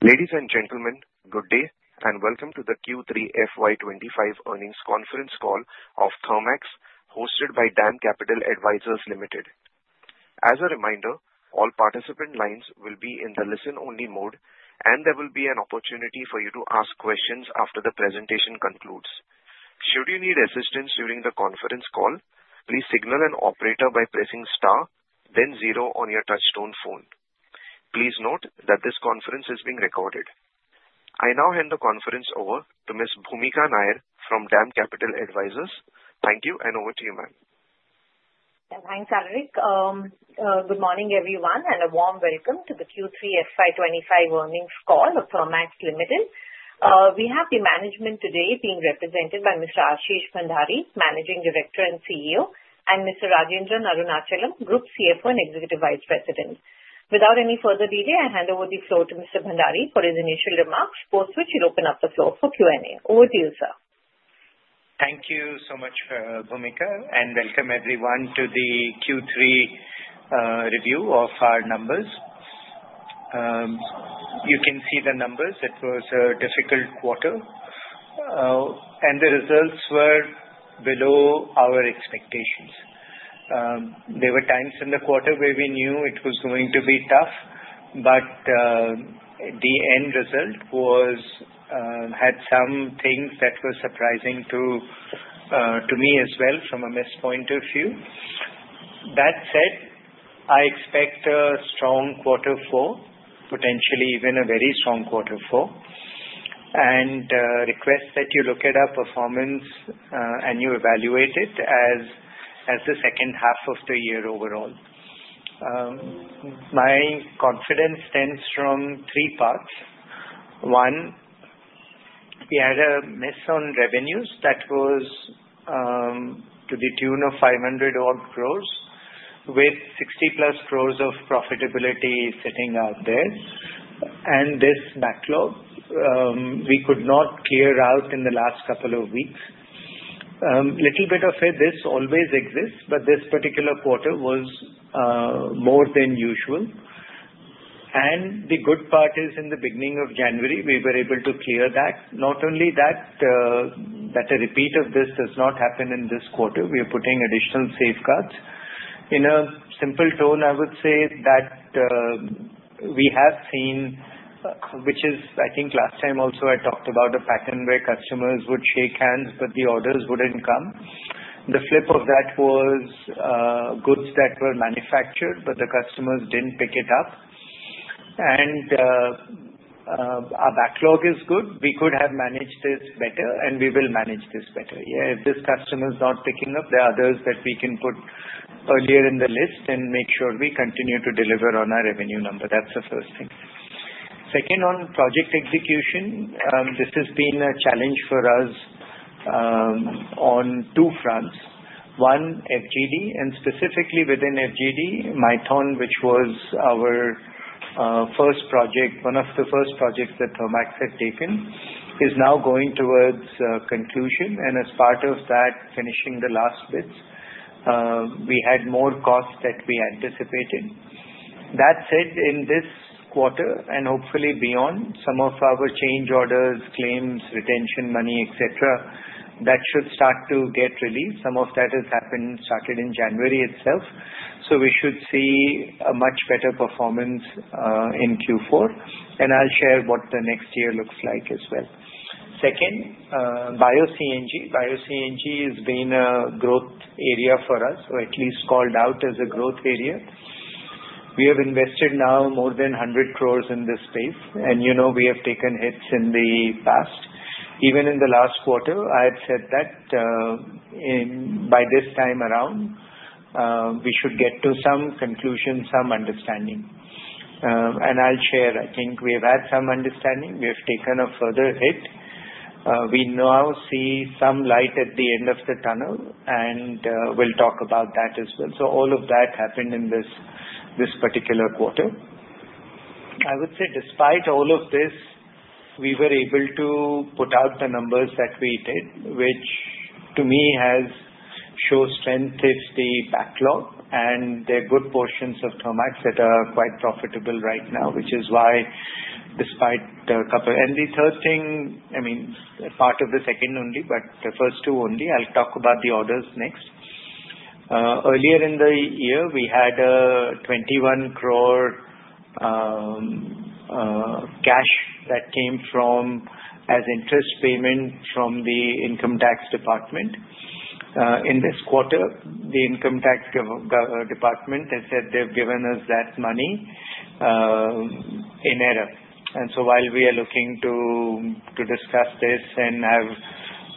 Ladies and gentlemen, good day and welcome to the Q3FY25 Earnings Conference Call of Thermax, hosted by DAM Capital Advisors Limited. As a reminder, all participant lines will be in the listen-only mode, and there will be an opportunity for you to ask questions after the presentation concludes. Should you need assistance during the conference call, please signal an operator by pressing star, then zero on your touch-tone phone. Please note that this conference is being recorded. I now hand the conference over to Ms. Bhoomika Nair from DAM Capital Advisors. Thank you, and over to you, ma'am. Thanks, Alrick. Good morning, everyone, and a warm welcome to the Q3FY25 Earnings Call of Thermax Limited. We have the management today being represented by Mr. Ashish Bhandari, Managing Director and CEO, and Mr. Rajendran Arunachalam, Group CFO and Executive Vice President. Without any further delay, I hand over the floor to Mr. Bhandari for his initial remarks, post which he'll open up the floor for Q&A. Over to you, sir. Thank you so much, Bhoomika, and welcome, everyone, to the Q3 review of our numbers. You can see the numbers. It was a difficult quarter, and the results were below our expectations. There were times in the quarter where we knew it was going to be tough, but the end result had some things that were surprising to me as well from a miss point of view. That said, I expect a strong quarter four, potentially even a very strong quarter four, and request that you look at our performance and you evaluate it as the second half of the year overall. My confidence stems from three parts. One, we had a miss on revenues that was to the tune of 500-odd crores, with 60-plus crores of profitability sitting out there. And this backlog we could not clear out in the last couple of weeks. A little bit of this always exists, but this particular quarter was more than usual, and the good part is, in the beginning of January, we were able to clear that. Not only that, that a repeat of this does not happen in this quarter. We are putting additional safeguards. In a simple tone, I would say that we have seen, which is, I think, last time also I talked about a pattern where customers would shake hands, but the orders wouldn't come. The flip of that was goods that were manufactured, but the customers didn't pick it up. And our backlog is good. We could have managed this better, and we will manage this better. Yeah, if this customer is not picking up, there are others that we can put earlier in the list and make sure we continue to deliver on our revenue number. That's the first thing. Second, on project execution, this has been a challenge for us on two fronts. One, FGD, and specifically within FGD, Maithon, which was our first project, one of the first projects that Thermax had taken, is now going towards conclusion, and as part of that, finishing the last bits, we had more costs that we anticipated. That said, in this quarter and hopefully beyond, some of our change orders, claims, retention money, etc., that should start to get released. Some of that has happened, started in January itself. So we should see a much better performance in Q4, and I'll share what the next year looks like as well. Second, Bio-CNG. Bio-CNG has been a growth area for us, or at least called out as a growth area. We have invested now more than 100 crore in this space, and you know we have taken hits in the past. Even in the last quarter, I had said that by this time around, we should get to some conclusion, some understanding, and I'll share, I think we have had some understanding. We have taken a further hit. We now see some light at the end of the tunnel, and we'll talk about that as well, so all of that happened in this particular quarter. I would say, despite all of this, we were able to put out the numbers that we did, which to me has shown strength of the backlog and the good portions of Thermax that are quite profitable right now, which is why, despite the couple and the third thing, I mean, part of the second only, but the first two only, I'll talk about the orders next. Earlier in the year, we had 21 crore cash that came as interest payment from the Income Tax Department. In this quarter, the Income Tax Department has said they've given us that money in error. And so while we are looking to discuss this and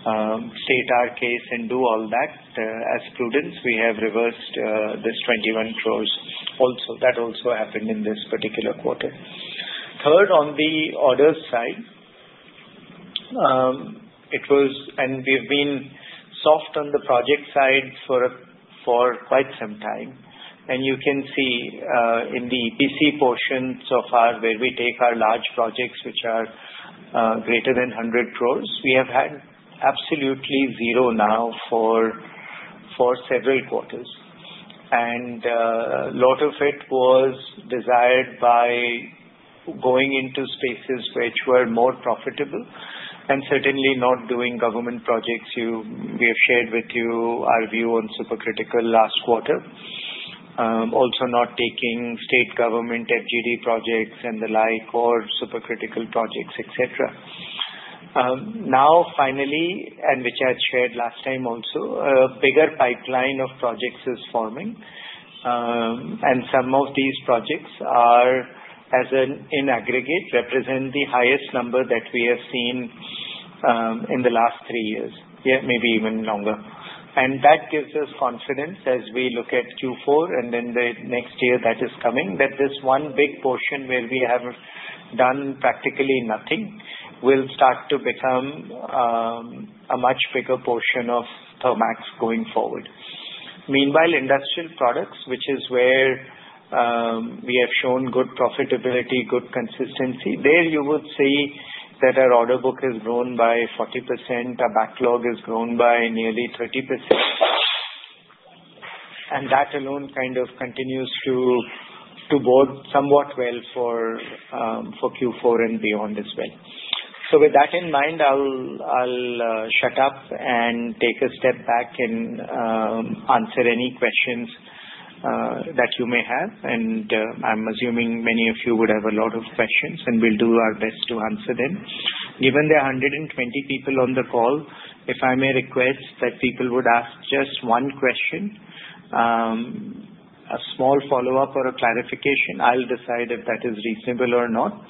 state our case and do all that, as prudence, we have reversed this 21 crores. That also happened in this particular quarter. Third, on the order side, it was, and we have been soft on the project side for quite some time. And you can see in the EPC portion so far where we take our large projects, which are greater than 100 crores, we have had absolutely zero now for several quarters. And a lot of it was desired by going into spaces which were more profitable and certainly not doing government projects. We have shared with you our view on supercritical last quarter. Also not taking state government FGD projects and the like or supercritical projects, etc. Now, finally, and which I had shared last time also, a bigger pipeline of projects is forming. And some of these projects are, in aggregate, represent the highest number that we have seen in the last three years, maybe even longer. And that gives us confidence as we look at Q4 and then the next year that is coming, that this one big portion where we have done practically nothing will start to become a much bigger portion of Thermax going forward. Meanwhile,, which is where we have shown good profitability, good consistency, there you would see that our order book has grown by 40%, our backlog has grown by nearly 30%. And that alone kind of continues to bode somewhat well for Q4 and beyond as well. So with that in mind, I'll shut up and take a step back and answer any questions that you may have. And I'm assuming many of you would have a lot of questions, and we'll do our best to answer them. Given there are 120 people on the call, if I may request that people would ask just one question, a small follow-up or a clarification, I'll decide if that is reasonable or not.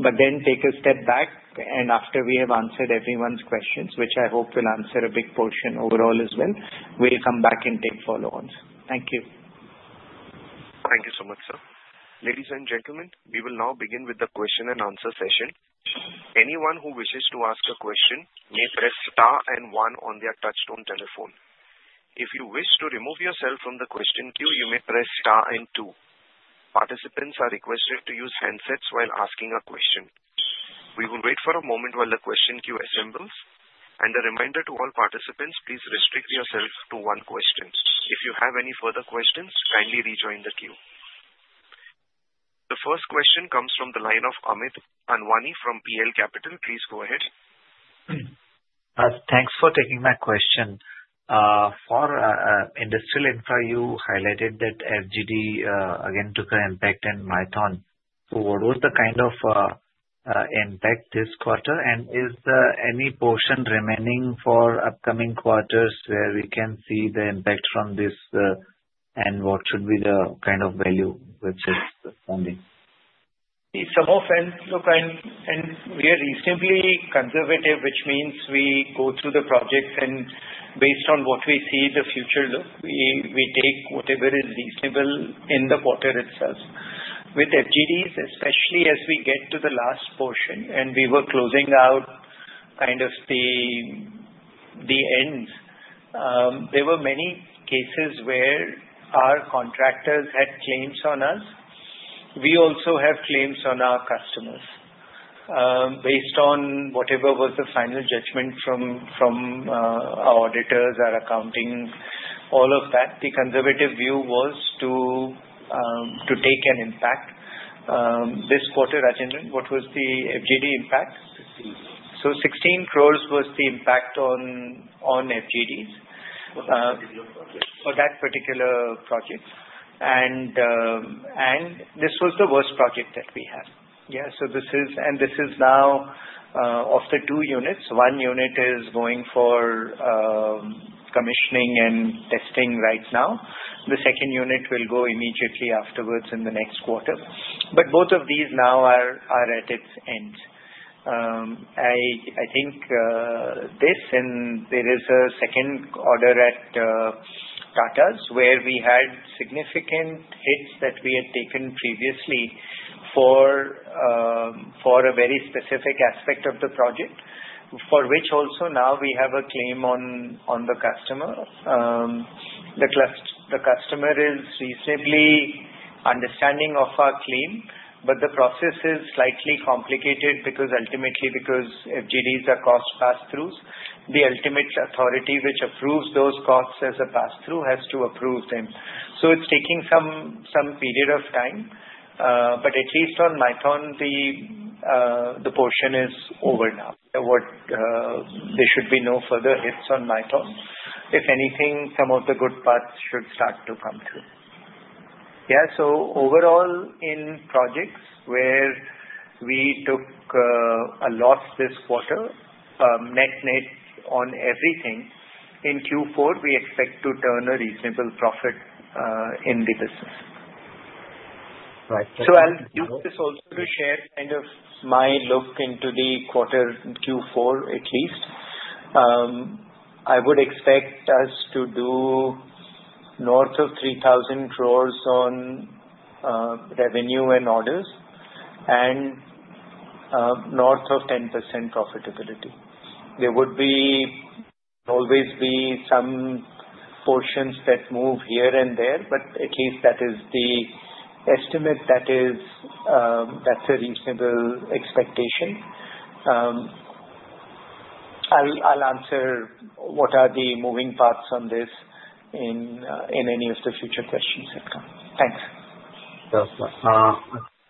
But then take a step back, and after we have answered everyone's questions, which I hope will answer a big portion overall as well, we'll come back and take follow-ons. Thank you. Thank you so much, sir. Ladies and gentlemen, we will now begin with the question and answer session. Anyone who wishes to ask a question may press star and one on their touch-tone telephone. If you wish to remove yourself from the question queue, you may press star and two. Participants are requested to use handsets while asking a question. We will wait for a moment while the question queue assembles. And a reminder to all participants, please restrict yourself to one question. If you have any further questions, kindly rejoin the queue. The first question comes from the line of Amit Anwani from PL Capital. Please go ahead. Thanks for taking my question. For Industrial Infra, you highlighted that FGD again took an impact on Maithon. What was the kind of impact this quarter? And is there any portion remaining for upcoming quarters where we can see the impact from this, and what should be the kind of value with this funding? Some of us, look, and we are reasonably conservative, which means we go through the projects, and based on what we see, the future look, we take whatever is reasonable in the quarter itself. With FGDs, especially as we get to the last portion, and we were closing out kind of the end, there were many cases where our contractors had claims on us. We also have claims on our customers. Based on whatever was the final judgment from our auditors, our accounting, all of that, the conservative view was to take an impact. This quarter, Rajendran, what was the FGD impact? INR 16crores. So 16 crores was the impact on FGDs for that particular project. And this was the worst project that we had. Yeah, so this is, and this is now of the two units. One unit is going for commissioning and testing right now. The second unit will go immediately afterwards in the next quarter. But both of these now are at its end. I think this, and there is a second order at Tatas where we had significant hits that we had taken previously for a very specific aspect of the project, for which also now we have a claim on the customer. The customer is reasonably understanding of our claim, but the process is slightly complicated because ultimately, because FGDs are cost pass-throughs, the ultimate authority which approves those costs as a pass-through has to approve them. So it's taking some period of time, but at least on Maithon, the portion is over now. There should be no further hits on Maithon. If anything, some of the good parts should start to come through. Yeah, so overall in projects where we took a loss this quarter, net-net on everything, in Q4, we expect to turn a reasonable profit in the business. So I'll use this also to share kind of my look into the quarter Q4 at least. I would expect us to do north of 3,000 crores on revenue and orders and north of 10% profitability. There would always be some portions that move here and there, but at least that is the estimate that is a reasonable expectation. I'll answer what are the moving parts on this in any of the future questions that come. Thanks.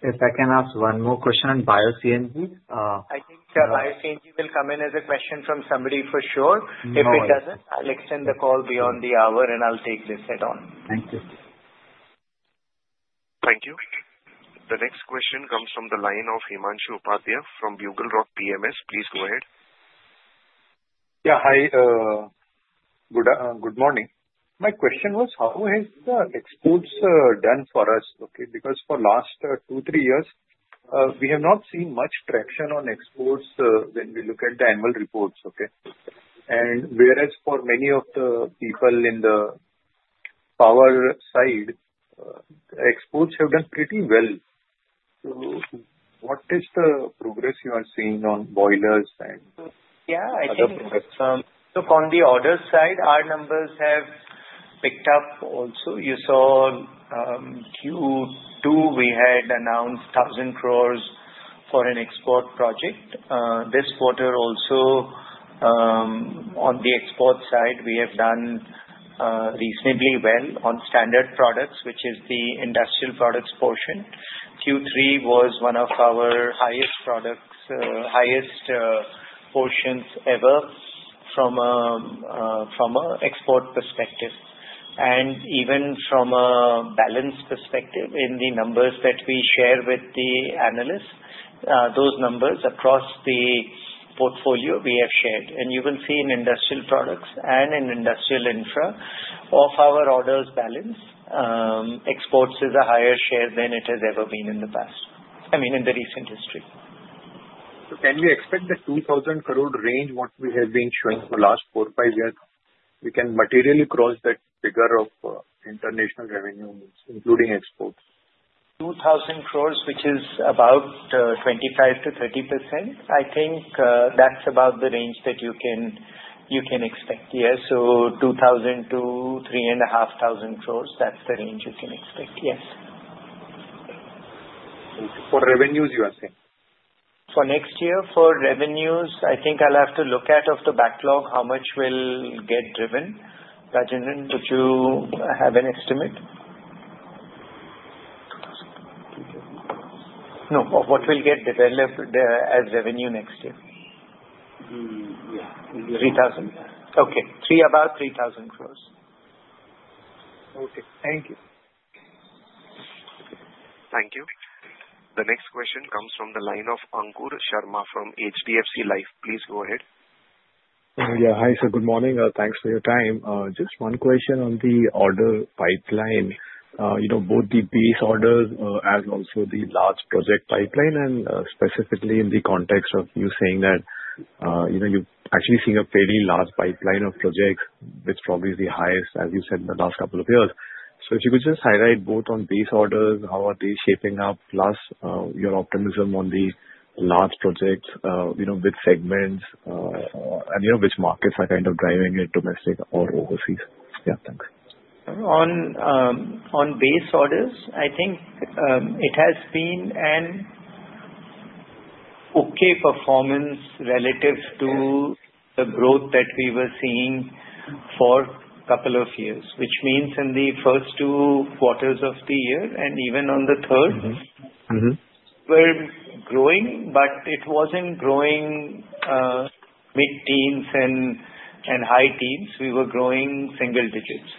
If I can ask one more question on Bio-CNG. I think Bio-CNG will come in as a question from somebody for sure. If it doesn't, I'll extend the call beyond the hour, and I'll take this head-on. Thank you. Thank you. The next question comes from the line of Himanshu Upadhyay from BugleRock PMS. Please go ahead. Yeah, hi. Good morning. My question was, how has the exports done for us? Okay, because for the last two, three years, we have not seen much traction on exports when we look at the annual reports. Okay. And whereas for many of the people in the power side, exports have done pretty well. So what is the progress you are seeing on boilers and other progress? Yeah, I think from the order side, our numbers have picked up also. You saw Q2, we had announced 1,000 crores for an export project. This quarter also, on the export side, we have done reasonably well on standard products, which is the portion. Q3 was one of our highest products, highest portions ever from an export perspective. And even from a balance perspective, in the numbers that we share with the analysts, those numbers across the portfolio we have shared. And you will see in and in industrial infra, of our orders balance, exports is a higher share than it has ever been in the past. I mean, in the recent history. So can you expect the 2,000 crore range what we have been showing for the last four, five years? We can materially cross that figure of international revenue, including exports. 2,000 crores, which is about 25%-30%. I think that's about the range that you can expect. Yeah, so 2,000-3,500 crores, that's the range you can expect. Yes. For revenues, you are saying? For next year, for revenues, I think I'll have to look at the backlog, how much will get driven. Rajendran, would you have an estimate? No, of what will get developed as revenue next year? Yeah. 3,000. Okay. There, about 3,000 crores. Okay. Thank you. Thank you. The next question comes from the line of Ankur Sharma from HDFC Life. Please go ahead. Yeah, hi. So good morning. Thanks for your time. Just one question on the order pipeline. Both the base orders as well as the large project pipeline, and specifically in the context of you saying that you've actually seen a fairly large pipeline of projects, which probably is the highest, as you said, in the last couple of years. So if you could just highlight both on base orders, how are they shaping up, plus your optimism on the large projects with segments, and which markets are kind of driving it, domestic or overseas? Yeah, thanks. On base orders, I think it has been an okay performance relative to the growth that we were seeing for a couple of years, which means in the first two quarters of the year, and even on the third, we're growing, but it wasn't growing mid-teens and high-teens. We were growing single digits.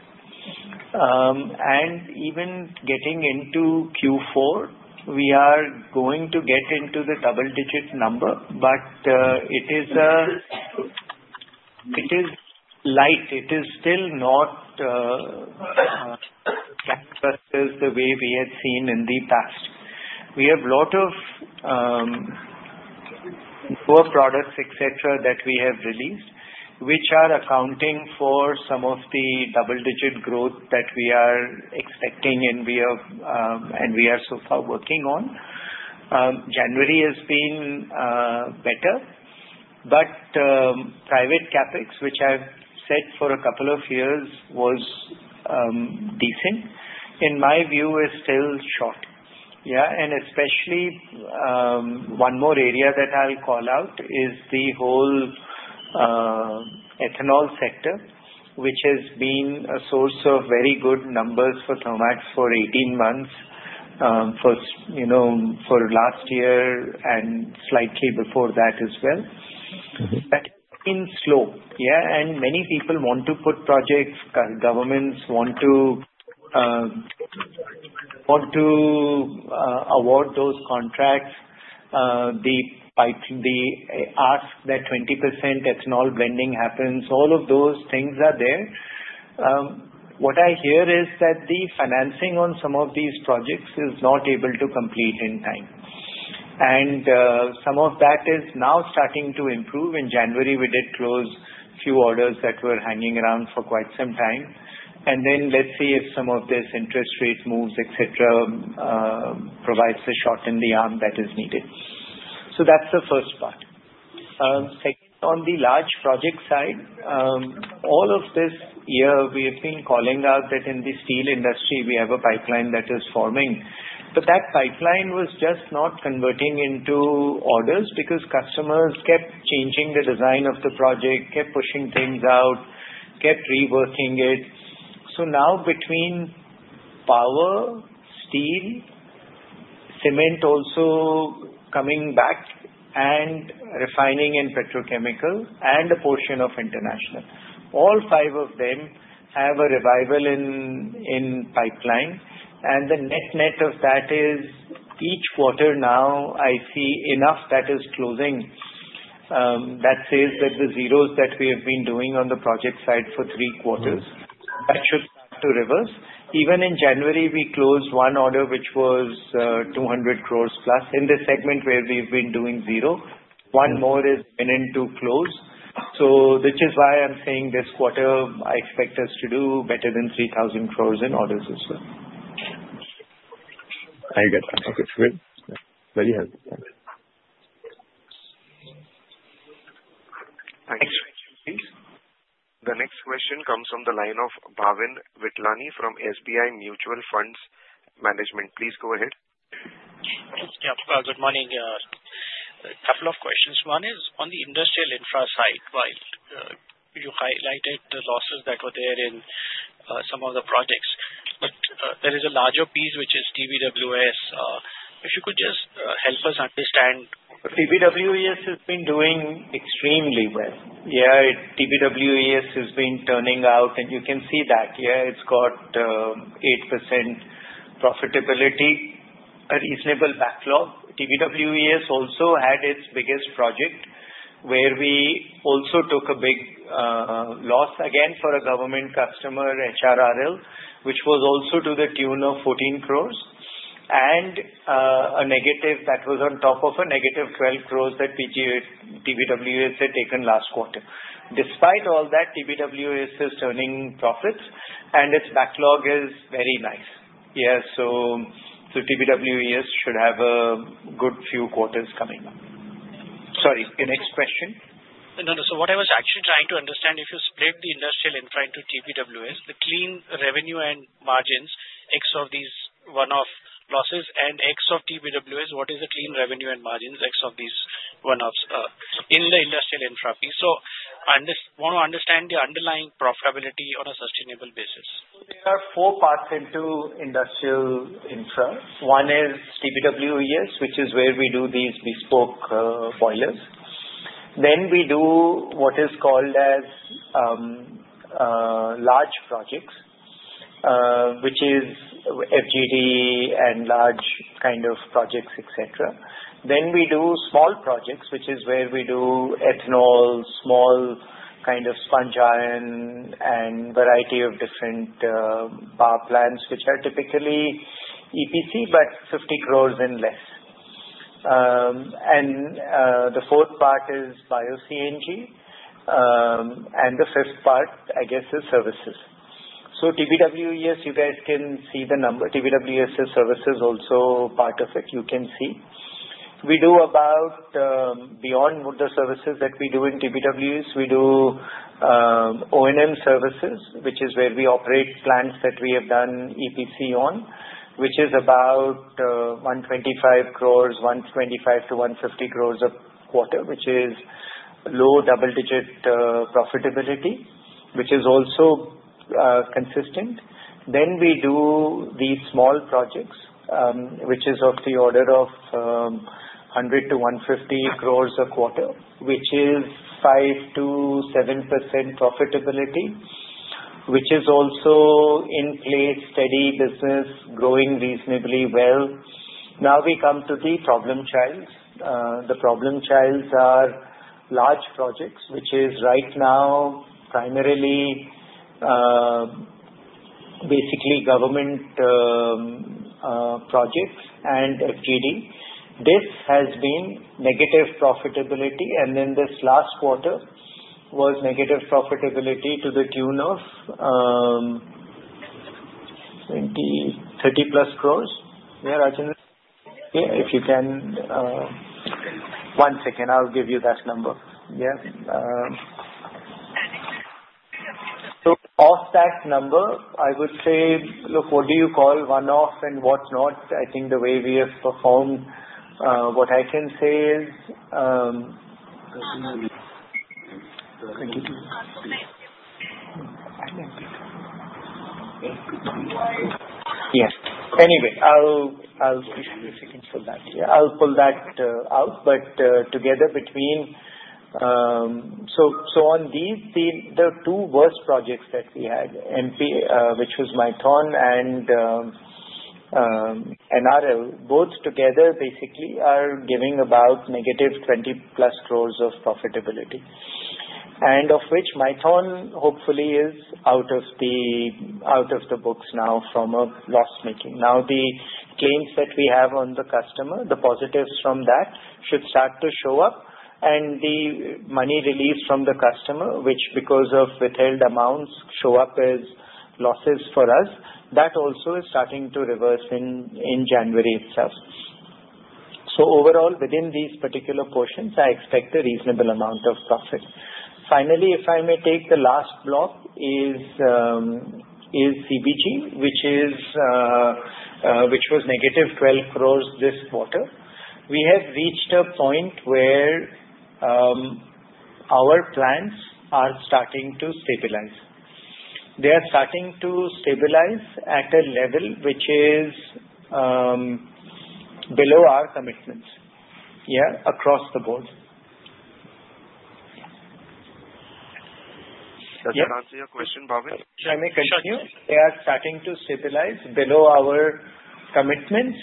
And even getting into Q4, we are going to get into the double-digit number, but it is light. It is still not as the way we had seen in the past. We have a lot of products, etc., that we have released, which are accounting for some of the double-digit growth that we are expecting and we are so far working on. January has been better, but private CapEx, which I've said for a couple of years was decent, in my view, is still short. Yeah, and especially one more area that I'll call out is the whole ethanol sector, which has been a source of very good numbers for Thermax for 18 months, for last year and slightly before that as well. That has been slow. Yeah, and many people want to put projects. Governments want to award those contracts. They ask that 20% ethanol blending happens. All of those things are there. What I hear is that the financing on some of these projects is not able to complete in time. And some of that is now starting to improve. In January, we did close a few orders that were hanging around for quite some time. And then let's see if some of this interest rate moves, etc., provides a shot in the arm that is needed. So that's the first part. Second, on the large project side, all of this year, we have been calling out that in the steel industry, we have a pipeline that is forming. But that pipeline was just not converting into orders because customers kept changing the design of the project, kept pushing things out, kept reworking it. So now between power, steel, cement also coming back, and refining and petrochemical, and a portion of international. All five of them have a revival in pipeline. And the net-net of that is each quarter now, I see enough that is closing that says that the zeros that we have been doing on the project side for three quarters, that should start to reverse. Even in January, we closed one order, which was 200 crores plus in the segment where we've been doing zero. One more is in to close. So which is why I'm saying this quarter, I expect us to do better than 3,000 crores in orders as well. Very good. Very helpful. Thanks. Thanks. The next question comes from the line of Bhavin Vithlani from SBI Mutual Fund. Please go ahead. Yep. Good morning. A couple of questions. One is on the Industrial Infra side, right? You highlighted the losses that were there in some of the projects. But there is a larger piece, which is TBWES. If you could just help us understand? TBWES has been doing extremely well. Yeah, TBWES has been turning out, and you can see that. Yeah, it's got 8% profitability, a reasonable backlog. TBWES also had its biggest project where we also took a big loss again for a government customer, HRRL, which was also to the tune of 14 crores, and a negative that was on top of a negative 12 crores that TBWES had taken last quarter. Despite all that, TBWES is turning profits, and its backlog is very nice. Yeah, so TBWES should have a good few quarters coming up. Sorry, the next question. No, no. So what I was actually trying to understand, if you split the Industrial Infra into TBWES, the clean revenue and margins ex of these one-off losses, and ex of TBWES, what is the clean revenue and margins ex of these one-offs in the Industrial Infra piece? So I want to understand the underlying profitability on a sustainable basis. There are four parts in Industrial Infra. One is TBWES, which is where we do these bespoke boilers. Then we do what is called as large projects, which is FGD and large kind of projects, etc. Then we do small projects, which is where we do ethanol, small kind of sponge iron, and a variety of different power plants, which are typically EPC, but 50 crores and less. The fourth part is Bio-CNG. The fifth part, I guess, is services. TBWES, you guys can see the number. TBWES's services are also part of it. You can see. Beyond the services that we do in TBWES, we do O&M services, which is where we operate plants that we have done EPC on, which is about 125 crores, 125-150 crores a quarter, which is low double-digit profitability, which is also consistent. Then we do these small projects, which is of the order of 100-150 crores a quarter, which is 5%-7% profitability, which is also in place, steady business, growing reasonably well. Now we come to the problem child. The problem child are large projects, which is right now primarily basically government projects and FGD. This has been negative profitability. And then this last quarter was negative profitability to the tune of 30 plus crores. Yeah, Rajendran? Yeah, if you can. One second. I'll give you that number. Yeah. So off that number, I would say, look, what do you call one-off and what not? I think the way we have performed, what I can say is yeah. Anyway, I'll pull that out. But together between, on these, the two worst projects that we had, which was Maithon and NRL, both together basically are giving about negative 20-plus crores of profitability. And of which Maithon hopefully is out of the books now from a loss-making. Now the claims that we have on the customer, the positives from that should start to show up. And the money released from the customer, which because of withheld amounts show up as losses for us, that also is starting to reverse in January itself. Overall, within these particular portions, I expect a reasonable amount of profit. Finally, if I may take the last block is CBG, which was negative 12 crores this quarter. We have reached a point where our plants are starting to stabilize. They are starting to stabilize at a level which is below our commitments. Yeah, across the board. Does that answer your question, Bhavin? Should I continue? They are starting to stabilize below our commitments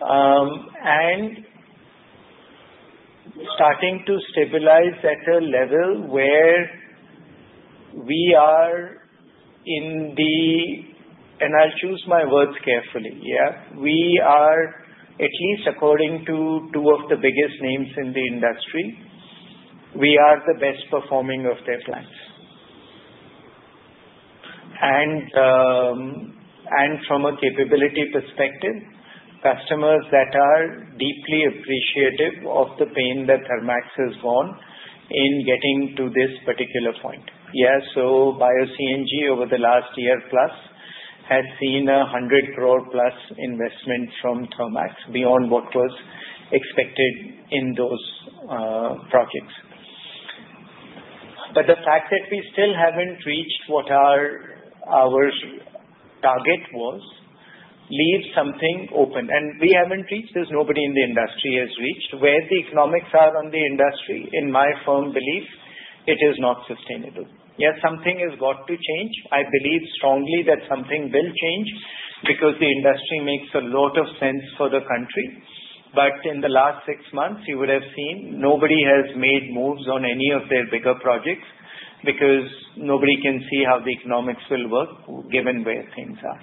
and starting to stabilize at a level where we are in the red, and I'll choose my words carefully. Yeah, we are, at least according to two of the biggest names in the industry, we are the best performing of their plants. And from a capability perspective, customers that are deeply appreciative of the pain that Thermax has gone in getting to this particular point. Yeah, so Bio-CNG over the last year plus had seen a 100 crore-plus investment from Thermax beyond what was expected in those projects. But the fact that we still haven't reached what our target was leaves something open. And we haven't reached this. Nobody in the industry has reached where the economics are of the industry. In my firm belief, it is not sustainable. Yes, something has got to change. I believe strongly that something will change because the industry makes a lot of sense for the country. But in the last six months, you would have seen nobody has made moves on any of their bigger projects because nobody can see how the economics will work given where things are.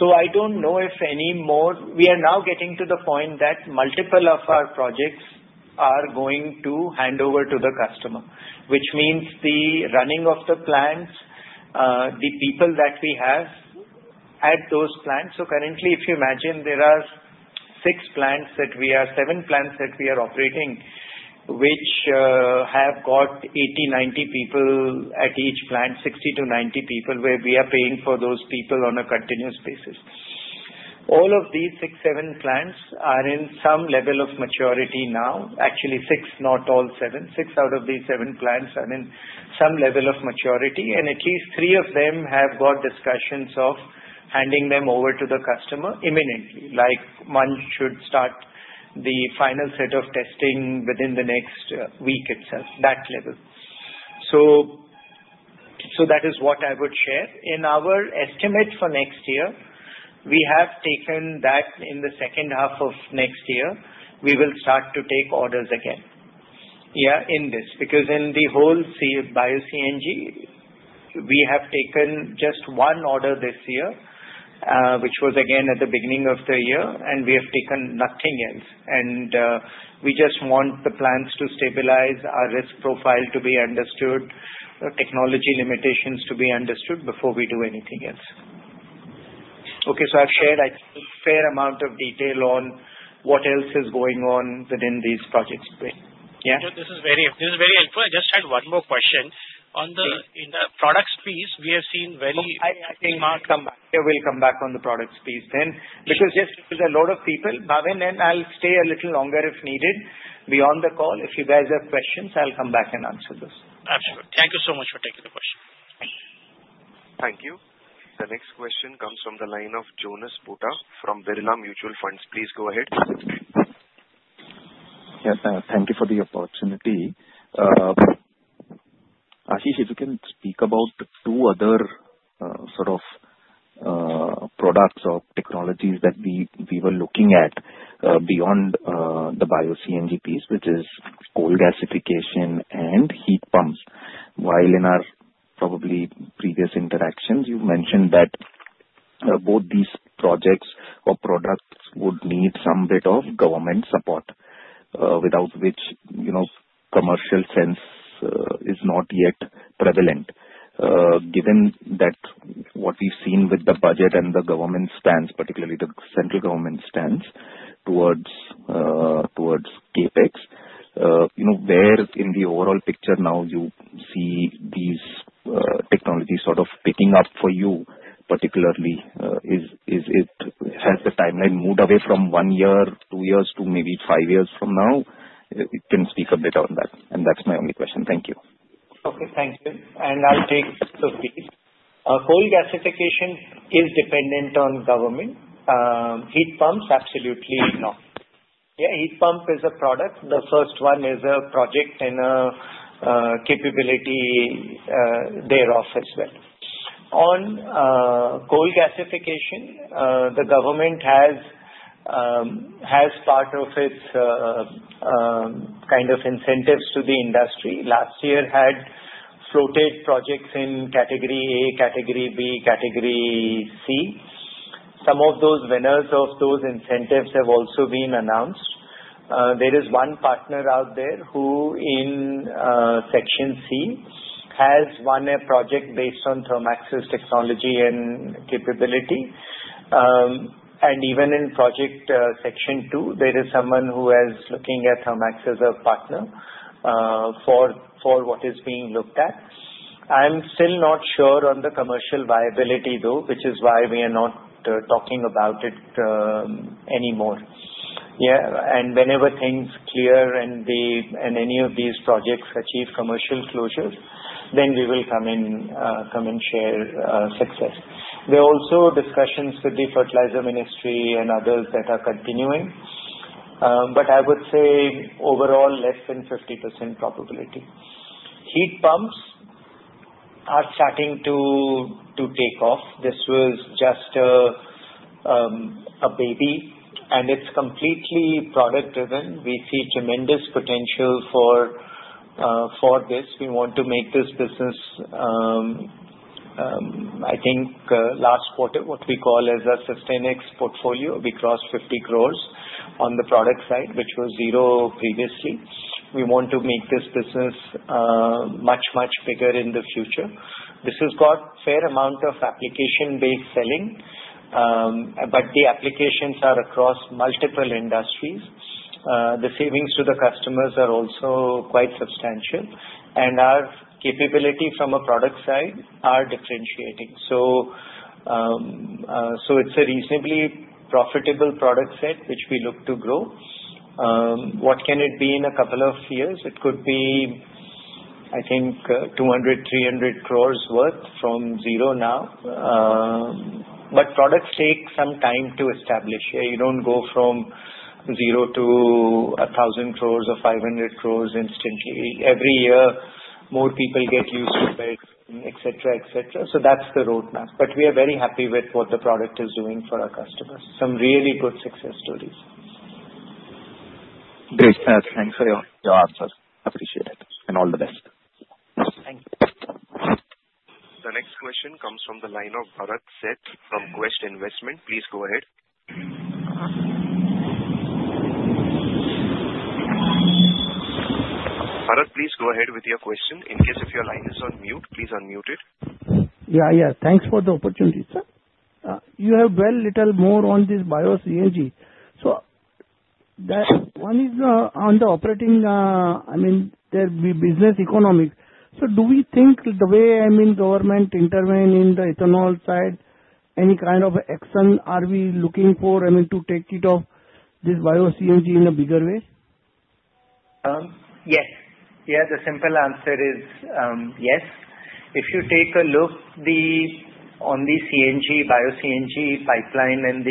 So I don't know if any more we are now getting to the point that multiple of our projects are going to hand over to the customer, which means the running of the plants, the people that we have at those plants. So currently, if you imagine, there are six or seven plants that we are operating, which have got 80-90 people at each plant, 60-90 people where we are paying for those people on a continuous basis. All of these six or seven plants are in some level of maturity now. Actually, six, not all seven. Six out of these seven plants are in some level of maturity. And at least three of them have got discussions of handing them over to the customer imminently. Like one should start the final set of testing within the next week itself, that level. So that is what I would share. In our estimate for next year, we have taken that in the second half of next year, we will start to take orders again. Yeah, in this. Because in the whole Bio-CNG, we have taken just one order this year, which was again at the beginning of the year, and we have taken nothing else. And we just want the plants to stabilize, our risk profile to be understood, technology limitations to be understood before we do anything else. Okay, so I've shared a fair amount of detail on what else is going on within these projects. Yeah. This is very helpful. I just had one more question. On the products piece, we have seen very smart. I think we'll come back on the products piece then. Because there's a lot of people, Bhavin, and I'll stay a little longer if needed beyond the call. If you guys have questions, I'll come back and answer those. Absolutely. Thank you so much for taking the question. Thank you. The next question comes from the line of Jonas Bhutta from Aditya Birla Sun Life Insurance. Please go ahead. Yes, thank you for the opportunity. Ashish, if you can speak about the two other sort of products or technologies that we were looking at beyond the Bio-CNG piece, which is coal gasification and heat pumps. While in our probably previous interactions, you've mentioned that both these projects or products would need some bit of government support, without which commercial sense is not yet prevalent. Given that what we've seen with the budget and the government's stance, particularly the central government's stance towards CapEx, where in the overall picture now you see these technologies sort of picking up for you, particularly, has the timeline moved away from one year, two years, to maybe five years from now? You can speak a bit on that, and that's my only question. Thank you. Okay, thank you, and I'll take the lead. Coal gasification is dependent on government. Heat pumps, absolutely not. Yeah, heat pump is a product. The first one is a project and a capability thereof as well. On coal gasification, the government has part of its kind of incentives to the industry. Last year had floated projects in category A, category B, category C. Some of those winners of those incentives have also been announced. There is one partner out there who in section C has won a project based on Thermax's technology and capability. And even in project section two, there is someone who is looking at Thermax as a partner for what is being looked at. I'm still not sure on the commercial viability, though, which is why we are not talking about it anymore. Yeah, and whenever things clear and any of these projects achieve commercial closures, then we will come in and share success. There are also discussions with the Fertilizer Ministry and others that are continuing. But I would say overall, less than 50% probability. Heat pumps are starting to take off. This was just a baby, and it's completely product-driven. We see tremendous potential for this. We want to make this business, I think, last quarter, what we call as a Sustainex portfolio. We crossed 50 crores on the product side, which was zero previously. We want to make this business much, much bigger in the future. This has got a fair amount of application-based selling, but the applications are across multiple industries. The savings to the customers are also quite substantial, and our capability from a product side are differentiating. So it's a reasonably profitable product set, which we look to grow. What can it be in a couple of years? It could be, I think, 200-300 crores worth from zero now. But products take some time to establish. You don't go from zero to 1,000 crores or 500 crores instantly. Every year, more people get used to it, etc., etc. So that's the roadmap. But we are very happy with what the product is doing for our customers. Some really good success stories. Great. Thanks for your answers. Appreciate it. And all the best. Thank you. The next question comes from the line of Bharat Sheth from Quest Investment. Please go ahead. Bharat, please go ahead with your question. In case if your line is on mute, please unmute it. Yeah, yeah. Thanks for the opportunity. You have well little more on this Bio-CNG. So one is on the operating, I mean, the business economic. So do we think the way, I mean, government intervene in the ethanol side, any kind of action are we looking for, I mean, to take it off this Bio-CNG in a bigger way? Yes. Yeah, the simple answer is yes. If you take a look on the Bio-CNG pipeline and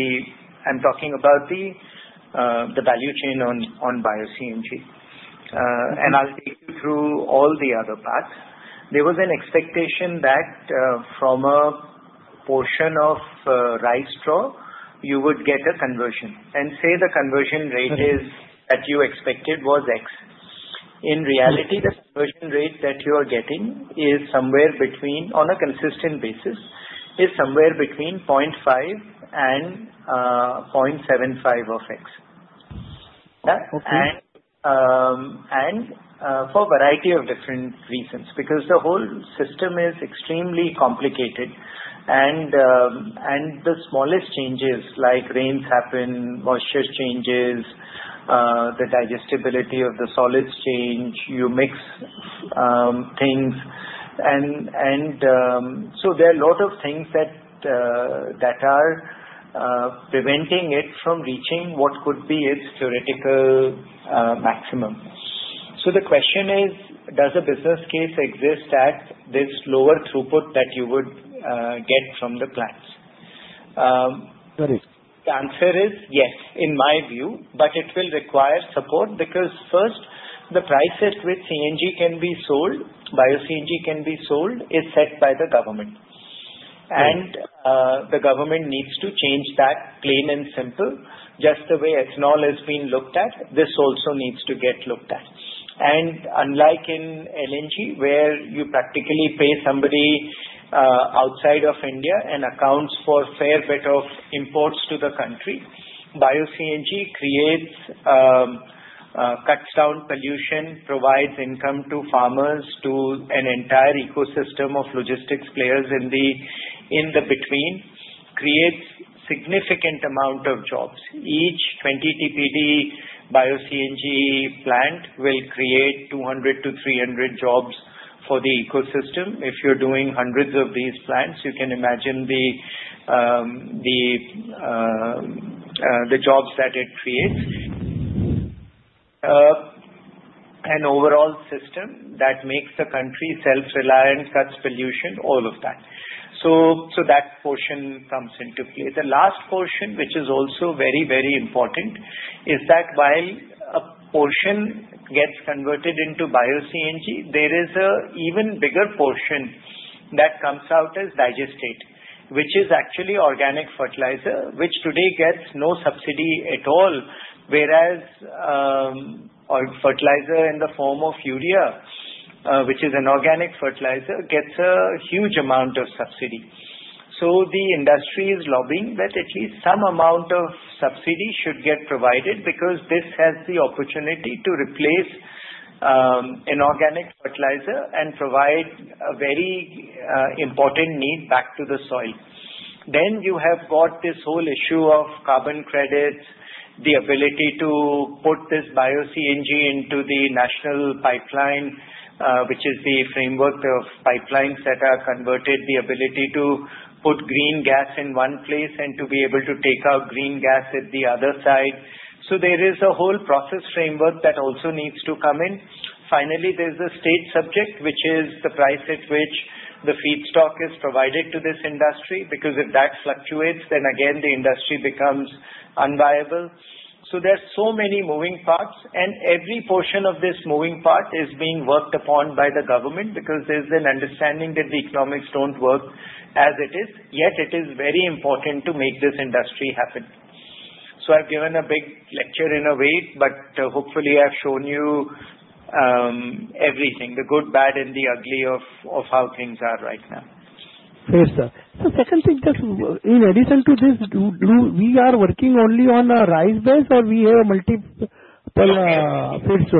I'm talking about the value chain on Bio-CNG. And I'll take you through all the other parts. There was an expectation that from a portion of rice straw, you would get a conversion. And say the conversion rate that you expected was X. In reality, the conversion rate that you are getting is, on a consistent basis, somewhere between 0.5 and 0.75 of X. And for a variety of different reasons. Because the whole system is extremely complicated. And the smallest changes like rains happen, moisture changes, the digestibility of the solids change, you mix things. And so there are a lot of things that are preventing it from reaching what could be its theoretical maximum. So the question is, does a business case exist at this lower throughput that you would get from the plants? Correct. The answer is yes, in my view, but it will require support because first, the price at which Bio-CNG can be sold is set by the government, and the government needs to change that plain and simple. Just the way ethanol has been looked at, this also needs to get looked at, and unlike in LNG, where you practically pay somebody outside of India and accounts for a fair bit of imports to the country, Bio-CNG creates, cuts down pollution, provides income to farmers, to an entire ecosystem of logistics players in the between, creates significant amount of jobs. Each 20 TPD Bio-CNG plant will create 200 to 300 jobs for the ecosystem. If you're doing hundreds of these plants, you can imagine the jobs that it creates, and overall system, that makes the country self-reliant, cuts pollution, all of that, so that portion comes into play. The last portion, which is also very, very important, is that while a portion gets converted into Bio-CNG, there is an even bigger portion that comes out as digestate, which is actually organic fertilizer, which today gets no subsidy at all, whereas fertilizer in the form of urea, which is an organic fertilizer, gets a huge amount of subsidy. So the industry is lobbying that at least some amount of subsidy should get provided because this has the opportunity to replace inorganic fertilizer and provide a very important need back to the soil. Then you have got this whole issue of carbon credits, the ability to put this Bio-CNG into the national pipeline, which is the framework of pipelines that are converted, the ability to put green gas in one place and to be able to take out green gas at the other side. So there is a whole process framework that also needs to come in. Finally, there's a state subject, which is the price at which the feedstock is provided to this industry. Because if that fluctuates, then again, the industry becomes unviable. So there's so many moving parts. And every portion of this moving part is being worked upon by the government because there's an understanding that the economics don't work as it is. Yet it is very important to make this industry happen. So I've given a big lecture in a way, but hopefully I've shown you everything, the good, bad, and the ugly of how things are right now. Yes, sir. The second thing, just in addition to this, we are working only on rice base or we have multiple fields?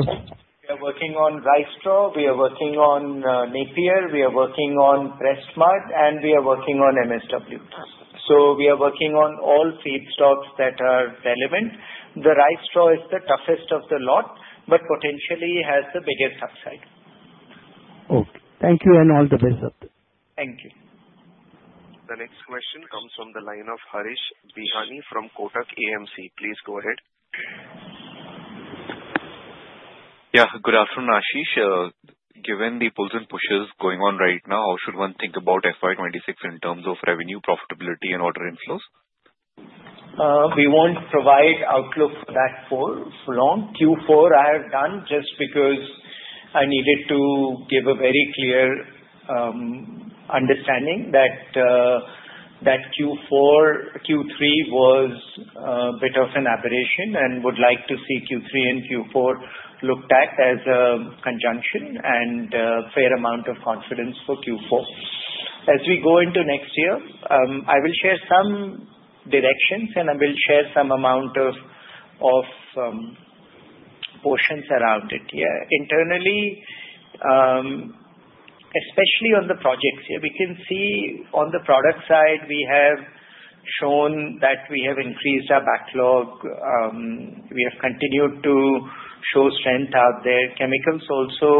We are working on rice straw. We are working on Napier. We are working on pressmud. And we are working on MSW. So we are working on all feedstocks that are relevant. The rice straw is the toughest of the lot, but potentially has the biggest upside. Okay. Thank you and all the best. Thank you. The next question comes from the line of Harish Bihani from Kotak AMC. Please go ahead. Yeah, good afternoon, Ashish. Given the pulls and pushes going on right now, how should one think about FY26 in terms of revenue, profitability, and order inflows? We won't provide outlook for that for long. Q4 I have done just because I needed to give a very clear understanding that Q3 was a bit of an aberration and would like to see Q3 and Q4 looked at as a conjunction and a fair amount of confidence for Q4. As we go into next year, I will share some directions and I will share some amount of portions around it. Yeah, internally, especially on the projects here, we can see on the product side, we have shown that we have increased our backlog. We have continued to show strength out there. Chemicals also,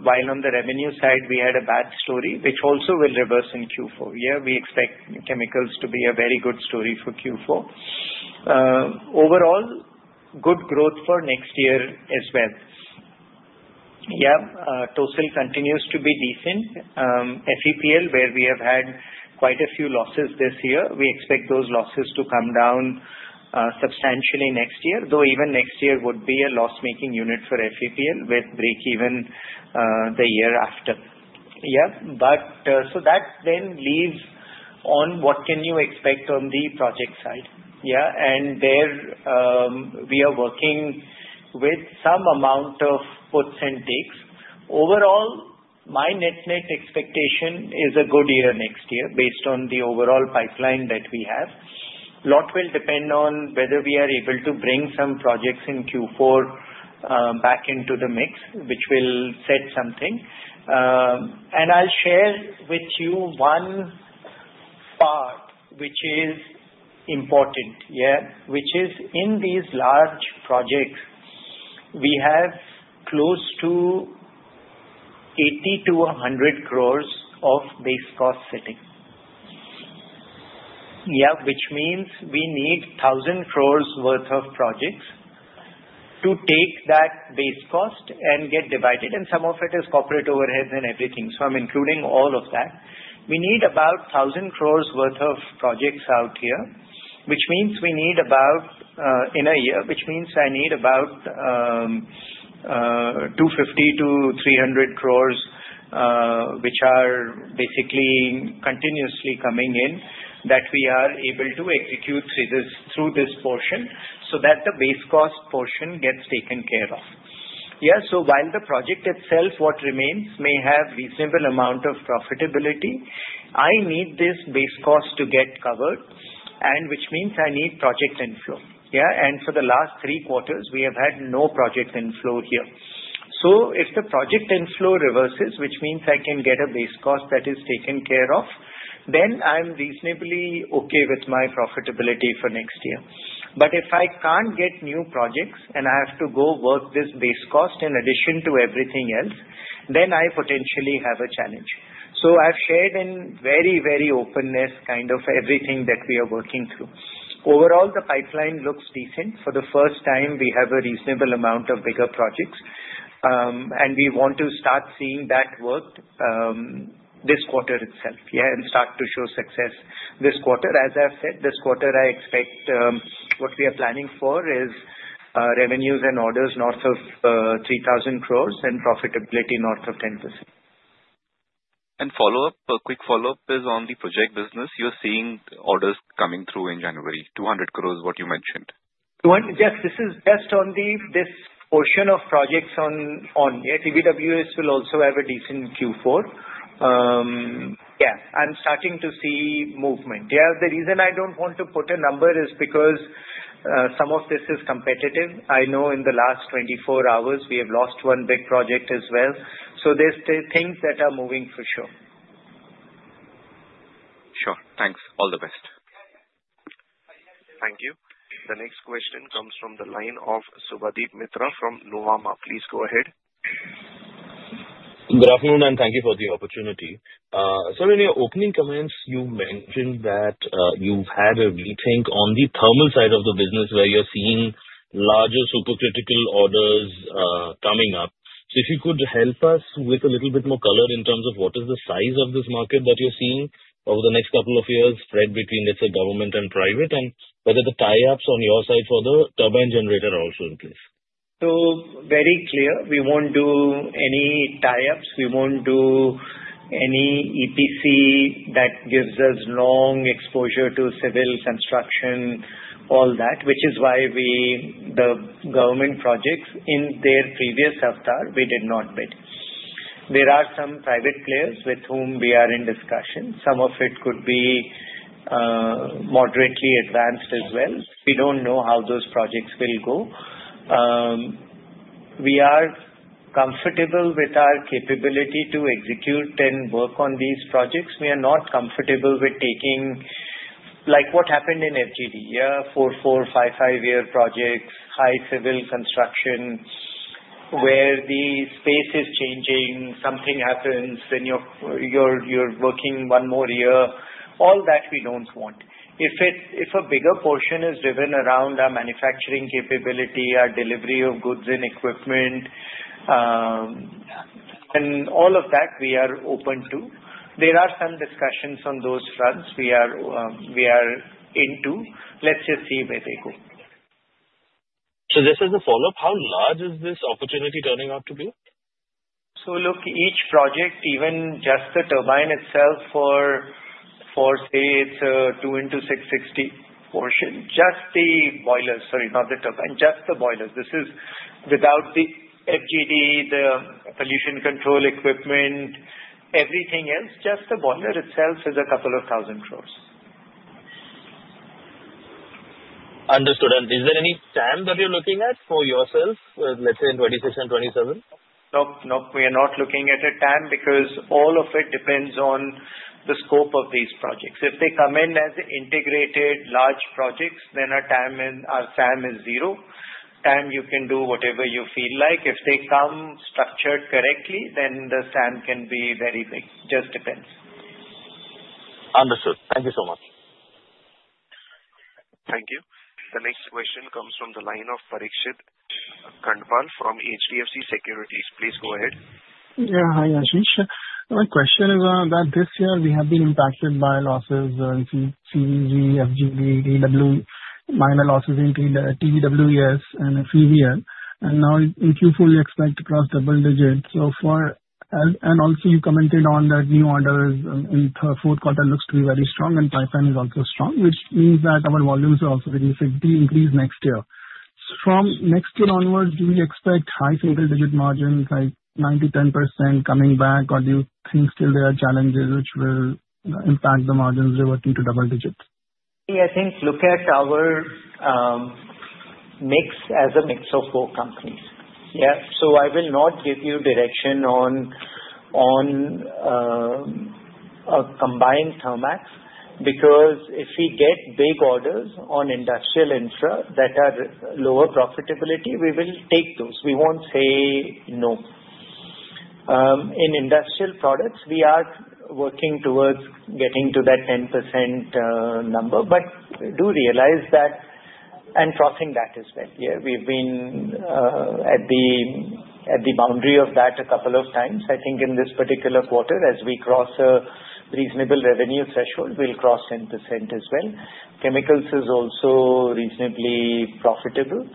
while on the revenue side, we had a bad story, which also will reverse in Q4. Yeah, we expect chemicals to be a very good story for Q4. Overall, good growth for next year as well. Yeah, TOESL continues to be decent. FEPL, where we have had quite a few losses this year, we expect those losses to come down substantially next year, though even next year would be a loss-making unit for FEPL with break-even the year after. Yeah, but so that then leaves on what can you expect on the project side. Yeah, and there we are working with some amount of puts and takes. Overall, my net-net expectation is a good year next year based on the overall pipeline that we have. A lot will depend on whether we are able to bring some projects in Q4 back into the mix, which will set something. And I'll share with you one part, which is important, yeah, which is in these large projects, we have close to 80-100 crores of base cost sitting. Yeah, which means we need 1,000 crore worth of projects to take that base cost and get divided, and some of it is corporate overhead and everything. So I'm including all of that. We need about 1,000 crore worth of projects out here, which means we need about in a year, which means I need about 250-300 crore, which are basically continuously coming in that we are able to execute through this portion so that the base cost portion gets taken care of. Yeah, so while the project itself, what remains, may have a reasonable amount of profitability, I need this base cost to get covered, which means I need project inflow. Yeah, and for the last three quarters, we have had no project inflow here. So if the project inflow reverses, which means I can get a base cost that is taken care of, then I'm reasonably okay with my profitability for next year. But if I can't get new projects and I have to go work this base cost in addition to everything else, then I potentially have a challenge. So I've shared in very, very openness kind of everything that we are working through. Overall, the pipeline looks decent. For the first time, we have a reasonable amount of bigger projects, and we want to start seeing that worked this quarter itself, yeah, and start to show success this quarter. As I've said, this quarter, I expect what we are planning for is revenues and orders north of 3,000 crores and profitability north of 10%. Follow-up, a quick follow-up is on the project business. You're seeing orders coming through in January, 200 crores, what you mentioned. Yes, this is just on this portion of projects on TBWES will also have a decent Q4. Yeah, I'm starting to see movement. Yeah, the reason I don't want to put a number is because some of this is competitive. I know in the last 24 hours, we have lost one big project as well. So there's things that are moving for sure. Sure. Thanks. All the best. Thank you. The next question comes from the line of Subhadip Mitra from Nuvama. Please go ahead. Good afternoon, and thank you for the opportunity. So in your opening comments, you mentioned that you've had a rethink on the thermal side of the business where you're seeing larger supercritical orders coming up. So if you could help us with a little bit more color in terms of what is the size of this market that you're seeing over the next couple of years spread between, let's say, government and private, and whether the tie-ups on your side for the turbine generator are also in place? So very clear. We won't do any tie-ups. We won't do any EPC that gives us long exposure to civil construction, all that, which is why the government projects in their previous avatar, we did not bid. There are some private players with whom we are in discussion. Some of it could be moderately advanced as well. We don't know how those projects will go. We are comfortable with our capability to execute and work on these projects. We are not comfortable with taking like what happened in FGD, yeah, four- to five-year projects, high civil construction, where the space is changing, something happens, then you're working one more year. All that we don't want. If a bigger portion is driven around our manufacturing capability, our delivery of goods and equipment, and all of that, we are open to. There are some discussions on those fronts we are into. Let's just see where they go. So this is the follow-up. How large is this opportunity turning out to be? So look, each project, even just the turbine itself for, say, it's a 2 into 660 portion, just the boilers, sorry, not the turbine, just the boilers. This is without the FGD, the pollution control equipment, everything else, just the boiler itself is a couple of thousand crores. Understood. Is there any TAM that you're looking at for yourself, let's say in 2026 and 2027? No, no. We are not looking at a TAM because all of it depends on the scope of these projects. If they come in as integrated large projects, then our TAM is zero. TAM, you can do whatever you feel like. If they come structured correctly, then the TAM can be very big. Just depends. Understood. Thank you so much. Thank you. The next question comes from the line of Parikshit Kandpal from HDFC Securities. Please go ahead. Yeah, hi, Ashish. My question is that this year we have been impacted by losses in CNG, FGD, minor losses in TBWES and FEPL. And now in Q4, we expect to cross double digits. And also, you commented on that new orders in the fourth quarter looks to be very strong, and pipeline is also strong, which means that our volumes are also significantly increased next year. From next year onward, do we expect high single-digit margins like 9%-10% coming back, or do you think still there are challenges which will impact the margins reverting to double digits? Yeah, I think look at our mix as a mix of four companies. Yeah, so I will not give you direction on a combined Thermax because if we get big orders on Industrial Infra that are lower profitability, we will take those. We won't say no. In, we are working towards getting to that 10% number, but do realize that and crossing that as well. Yeah, we've been at the boundary of that a couple of times. I think in this particular quarter, as we cross a reasonable revenue threshold, we'll cross 10% as well. Chemicals is also reasonably profitable,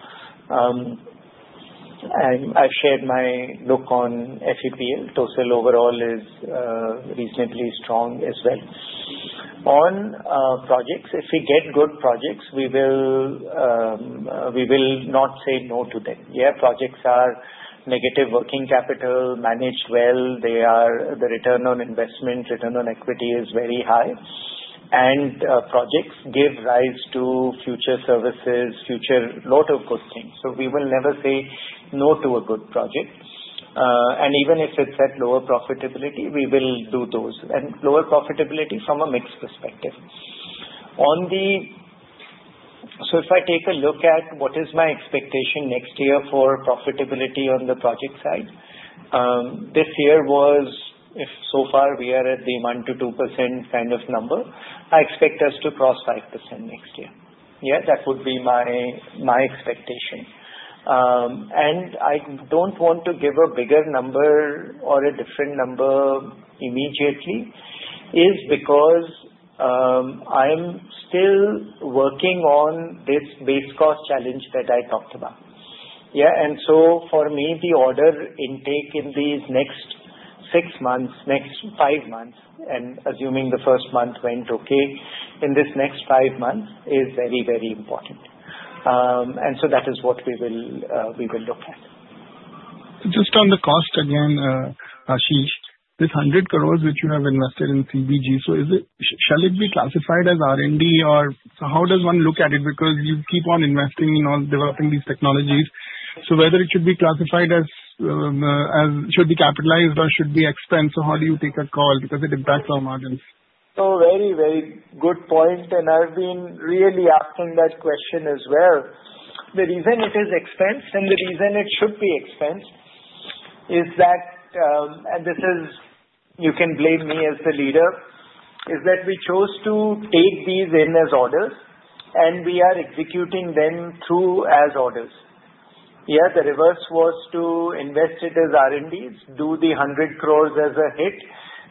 and I've shared my look on FEPL. TOESL overall is reasonably strong as well. On projects, if we get good projects, we will not say no to them. Yeah, projects are negative working capital, managed well. The return on investment, return on equity is very high. And projects give rise to future services, future load of good things. So we will never say no to a good project. And even if it's at lower profitability, we will do those. And lower profitability from a mixed perspective. So if I take a look at what is my expectation next year for profitability on the project side, this year was, if so far, we are at the 1-2% kind of number, I expect us to cross 5% next year. Yeah, that would be my expectation. And I don't want to give a bigger number or a different number immediately is because I'm still working on this base cost challenge that I talked about. Yeah, and so for me, the order intake in these next six months, next five months, and assuming the first month went okay in this next five months is very, very important. And so that is what we will look at. Just on the cost again, Ashish, this 100 crore which you have invested in CBG, so shall it be classified as R&D or how does one look at it? Because you keep on investing in developing these technologies. So whether it should be classified as capitalized or expensed, so how do you take a call because it impacts our margins? Oh, very, very good point. And I've been really asking that question as well. The reason it is expensed and the reason it should be expensed is that, and this is you can blame me as the leader, is that we chose to take these in as orders, and we are executing them through as orders. Yeah, the reverse was to invest it as R&Ds, do the 100 crores as a hit,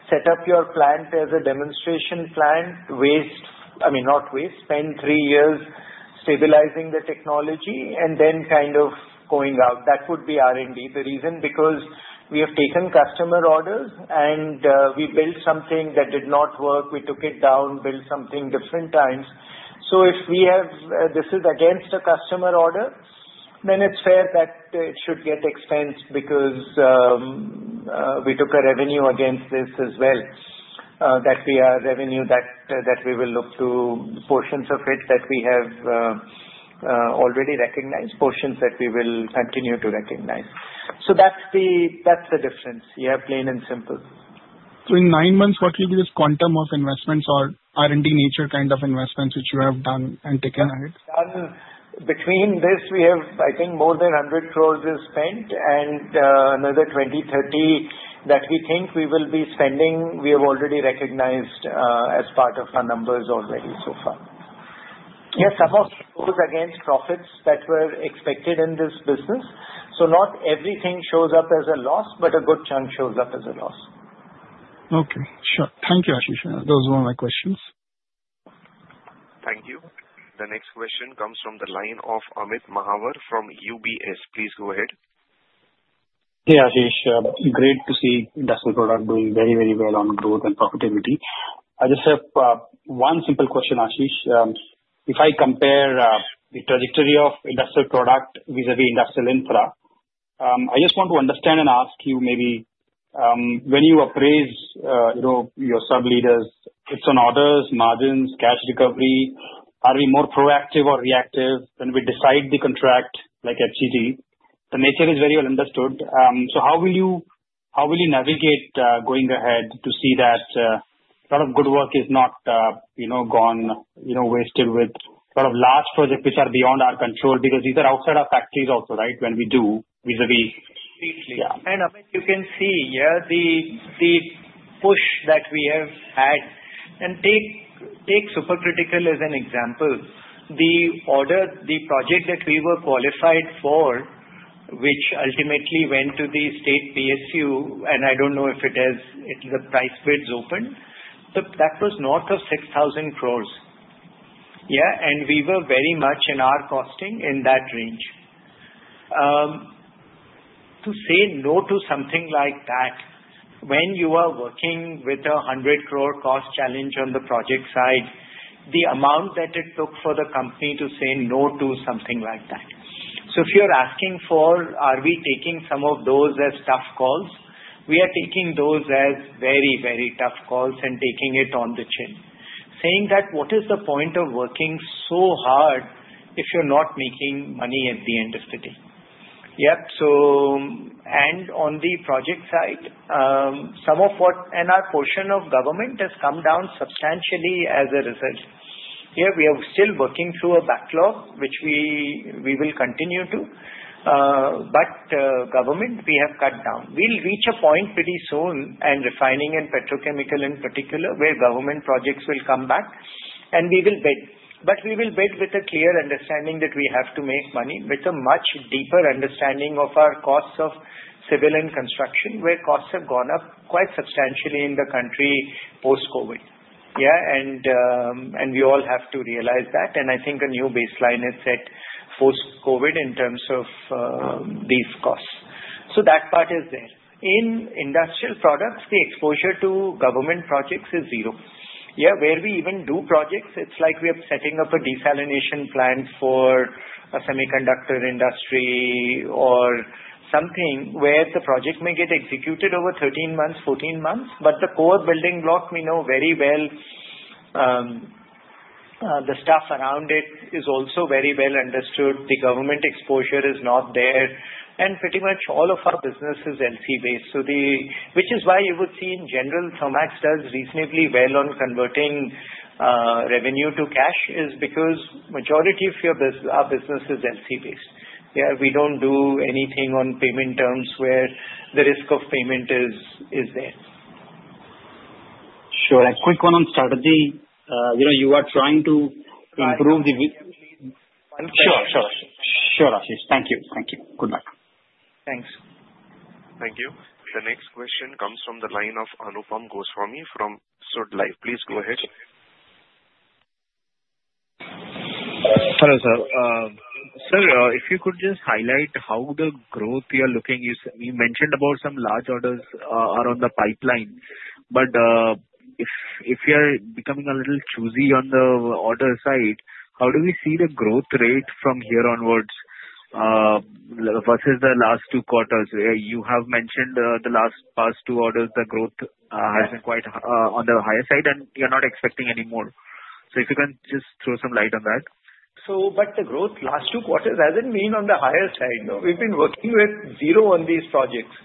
set up your plant as a demonstration plant, waste I mean, not waste, spend three years stabilizing the technology, and then kind of going out. That would be R&D. The reason because we have taken customer orders, and we built something that did not work. We took it down, built something different times. So if we have this is against a customer order, then it's fair that it should get expensed because we took a revenue against this as well, that we are revenue that we will look to portions of it that we have already recognized, portions that we will continue to recognize. So that's the difference. Yeah, plain and simple. So in nine months, what will be this quantum of investments or R&D nature kind of investments which you have done and taken ahead? Between this, we have, I think, more than 100 crores is spent, and another 20-30 crores that we think we will be spending, we have already recognized as part of our numbers already so far. Yeah, some of it goes against profits that were expected in this business. So not everything shows up as a loss, but a good chunk shows up as a loss. Okay. Sure. Thank you, Ashish. Those were my questions. Thank you. The next question comes from the line of Amit Mahawar from UBS. Please go ahead. Hey, Ashish. Great to see Industrial Product doing very, very well on growth and profitability. I just have one simple question, Ashish. If I compare the trajectory of industrial product vis-à-vis Industrial Infra, I just want to understand and ask you maybe when you appraise your sub-leaders, it's on orders, margins, cash recovery. Are we more proactive or reactive when we decide the contract like FGD? The nature is very well understood. So how will you navigate going ahead to see that a lot of good work is not gone, wasted with a lot of large projects which are beyond our control? Because these are outside our factories also, right, when we do vis-à-vis. Completely. And you can see, yeah, the push that we have had. And take supercritical as an example. The project that we were qualified for, which ultimately went to the state PSU, and I don't know if it has the price bids open, that was north of 6,000 crores. Yeah, and we were very much in our costing in that range. To say no to something like that when you are working with a 100-crore cost challenge on the project side, the amount that it took for the company to say no to something like that. So if you're asking for, are we taking some of those as tough calls, we are taking those as very, very tough calls and taking it on the chin. Saying that, what is the point of working so hard if you're not making money at the end of the day? Yeah, so and on the project side, some of what and our portion of government has come down substantially as a result. Yeah, we are still working through a backlog, which we will continue to, but government we have cut down. We'll reach a point pretty soon and refining and petrochemical in particular where government projects will come back, and we will bid, but we will bid with a clear understanding that we have to make money, with a much deeper understanding of our costs of civil and construction, where costs have gone up quite substantially in the country post-COVID. Yeah, and we all have to realize that, and I think a new baseline is set post-COVID in terms of these costs, so that part is there. In, the exposure to government projects is zero. Yeah, where we even do projects, it's like we are setting up a desalination plant for a semiconductor industry or something where the project may get executed over 13 months, 14 months. But the core building block, we know very well. The staff around it is also very well understood. The government exposure is not there. And pretty much all of our business is LC-based, which is why you would see in general Thermax does reasonably well on converting revenue to cash, is because the majority of our business is LC-based. Yeah, we don't do anything on payment terms where the risk of payment is there. Sure. A quick one on strategy. You are trying to improve the. Sure, sure, sure. Sure, Ashish. Thank you. Thank you. Good luck. Thanks. Thank you. The next question comes from the line of Anupam Goswami from SUD Life. Please go ahead. Hello, sir. Sir, if you could just highlight how the growth you are looking, you mentioned about some large orders are in the pipeline, but if you're becoming a little choosy on the order side, how do we see the growth rate from here onwards versus the last two quarters. You have mentioned the last two quarters, the growth has been quite on the higher side, and you're not expecting any more, so if you can just throw some light on that. So, but the growth last two quarters hasn't been on the higher side. We've been working with zero on these projects.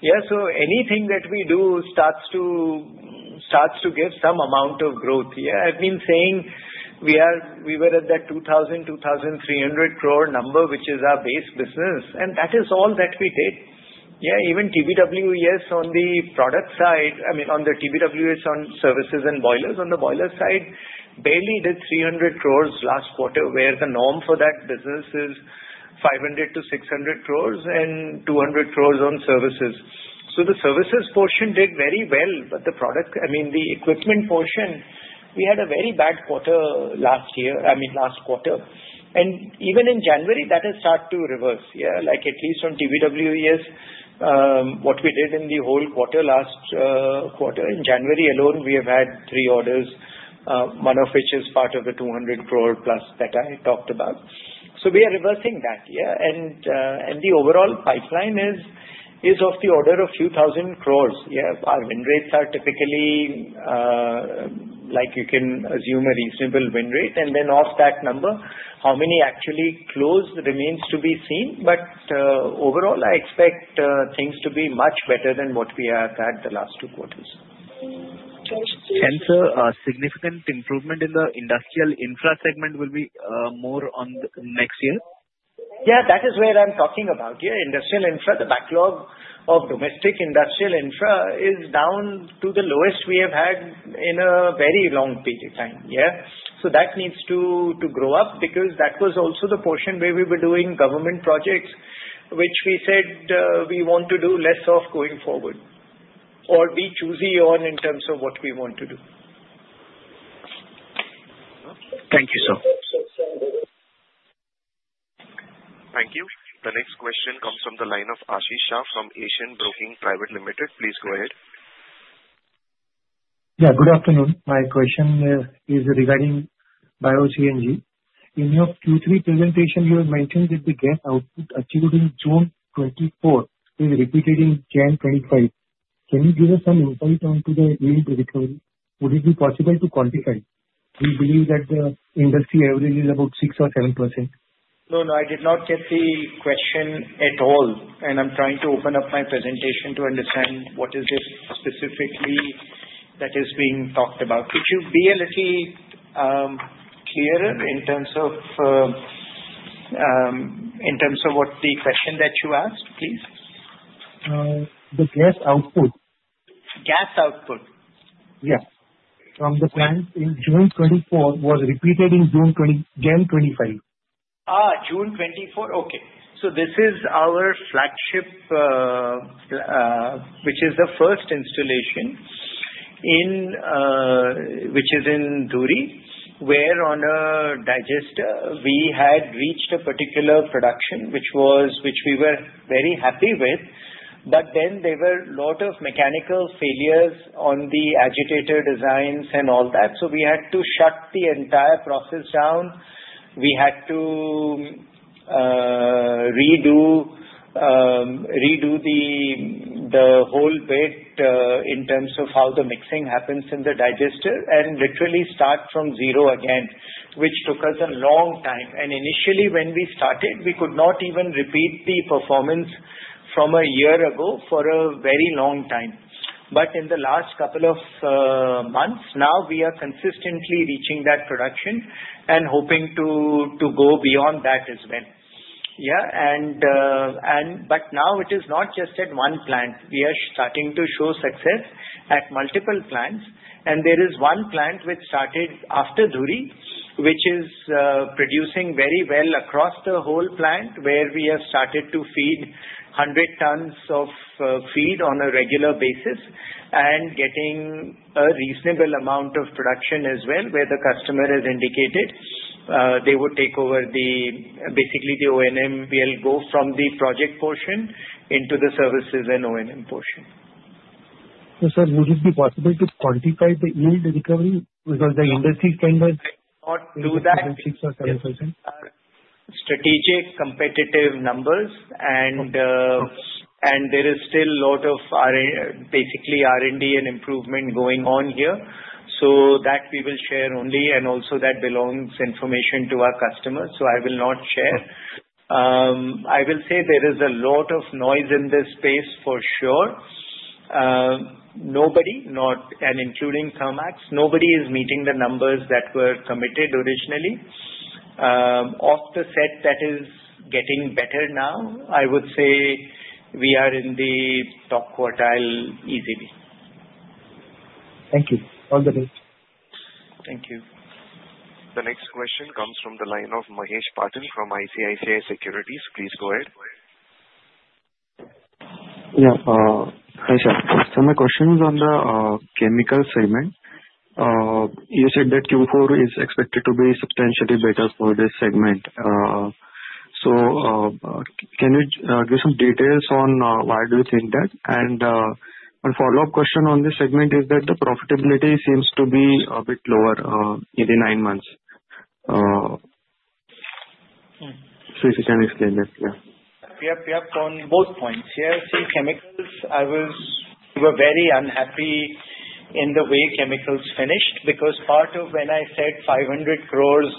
Yeah, so anything that we do starts to give some amount of growth. Yeah, I've been saying we were at that 2,000-2,300 crore number, which is our base business, and that is all that we did. Yeah, even TBWES on the product side I mean, on the TBWES on services and boilers, on the boiler side, barely did 300 crores last quarter, where the norm for that business is 500-600 crores and 200 crores on services. So the services portion did very well, but the product I mean, the equipment portion, we had a very bad quarter last year. I mean, last quarter. And even in January, that has started to reverse. Yeah, like at least on TBWES, what we did in the whole quarter last quarter, in January alone, we have had three orders, one of which is part of the 200 crore plus that I talked about. So we are reversing that. Yeah, and the overall pipeline is of the order of a few thousand crores. Yeah, our win rates are typically like you can assume a reasonable win rate. And then off that number, how many actually close remains to be seen. But overall, I expect things to be much better than what we have had the last two quarters. Sir, a significant improvement in the industrial infra segment will be more on next year? Yeah, that is where I'm talking about. Yeah, Industrial Infra, the backlog of domestic industrial infra is down to the lowest we have had in a very long period of time. Yeah, so that needs to grow up because that was also the portion where we were doing government projects, which we said we want to do less of going forward or be choosy on in terms of what we want to do. Thank you, sir. Thank you. The next question comes from the line of Aashish Shah from Asian Broking Private Limited. Please go ahead. Yeah, good afternoon. My question is regarding Bio-CNG. In your Q3 presentation, you have mentioned that the gas output achieved in June 2024 is repeated in January 2025. Can you give us some insight onto the lead recovery? Would it be possible to quantify? We believe that the industry average is about six or seven%. No, no, I did not get the question at all, and I'm trying to open up my presentation to understand what is it specifically that is being talked about. Could you be a little clearer in terms of what the question that you asked, please? The gas output. Gas output. Yeah. From the plant in June 2024 was repeated in June 2025. June 24. Okay. So this is our flagship, which is the first installation, which is in Dhuri, where on a digester, we had reached a particular production, which we were very happy with. But then there were a lot of mechanical failures on the agitator designs and all that. So we had to shut the entire process down. We had to redo the whole bit in terms of how the mixing happens in the digester and literally start from zero again, which took us a long time. And initially, when we started, we could not even repeat the performance from a year ago for a very long time. But in the last couple of months, now we are consistently reaching that production and hoping to go beyond that as well. Yeah, but now it is not just at one plant. We are starting to show success at multiple plants. There is one plant which started after Dhuri, which is producing very well across the whole plant, where we have started to feed 100 tons of feed on a regular basis and getting a reasonable amount of production as well, where the customer has indicated they would take over basically the O&M. We'll go from the project portion into the services and O&M portion. So, sir, would it be possible to quantify the yield recovery because the industry standard is not below 6% or 7%. Strategic competitive numbers. There is still a lot of basically R&D and improvement going on here. So that we will share only. And also, that is business information to our customers. So I will not share. I will say there is a lot of noise in this space for sure. Nobody, including Thermax, is meeting the numbers that were committed originally. Off the bat, that is getting better now. I would say we are in the top quartile easily. Thank you. All the best. Thank you. The next question comes from the line of Mahesh Patil from ICICI Securities. Please go ahead. Yeah, hi, sir. Some of my questions on the chemical segment. You said that Q4 is expected to be substantially better for this segment. So can you give some details on why do you think that? And a follow-up question on this segment is that the profitability seems to be a bit lower in the nine months. So if you can explain that, yeah. Yep, yep, on both points. Yeah, see, chemicals. I was very unhappy in the way chemicals finished because part of when I said 500 crores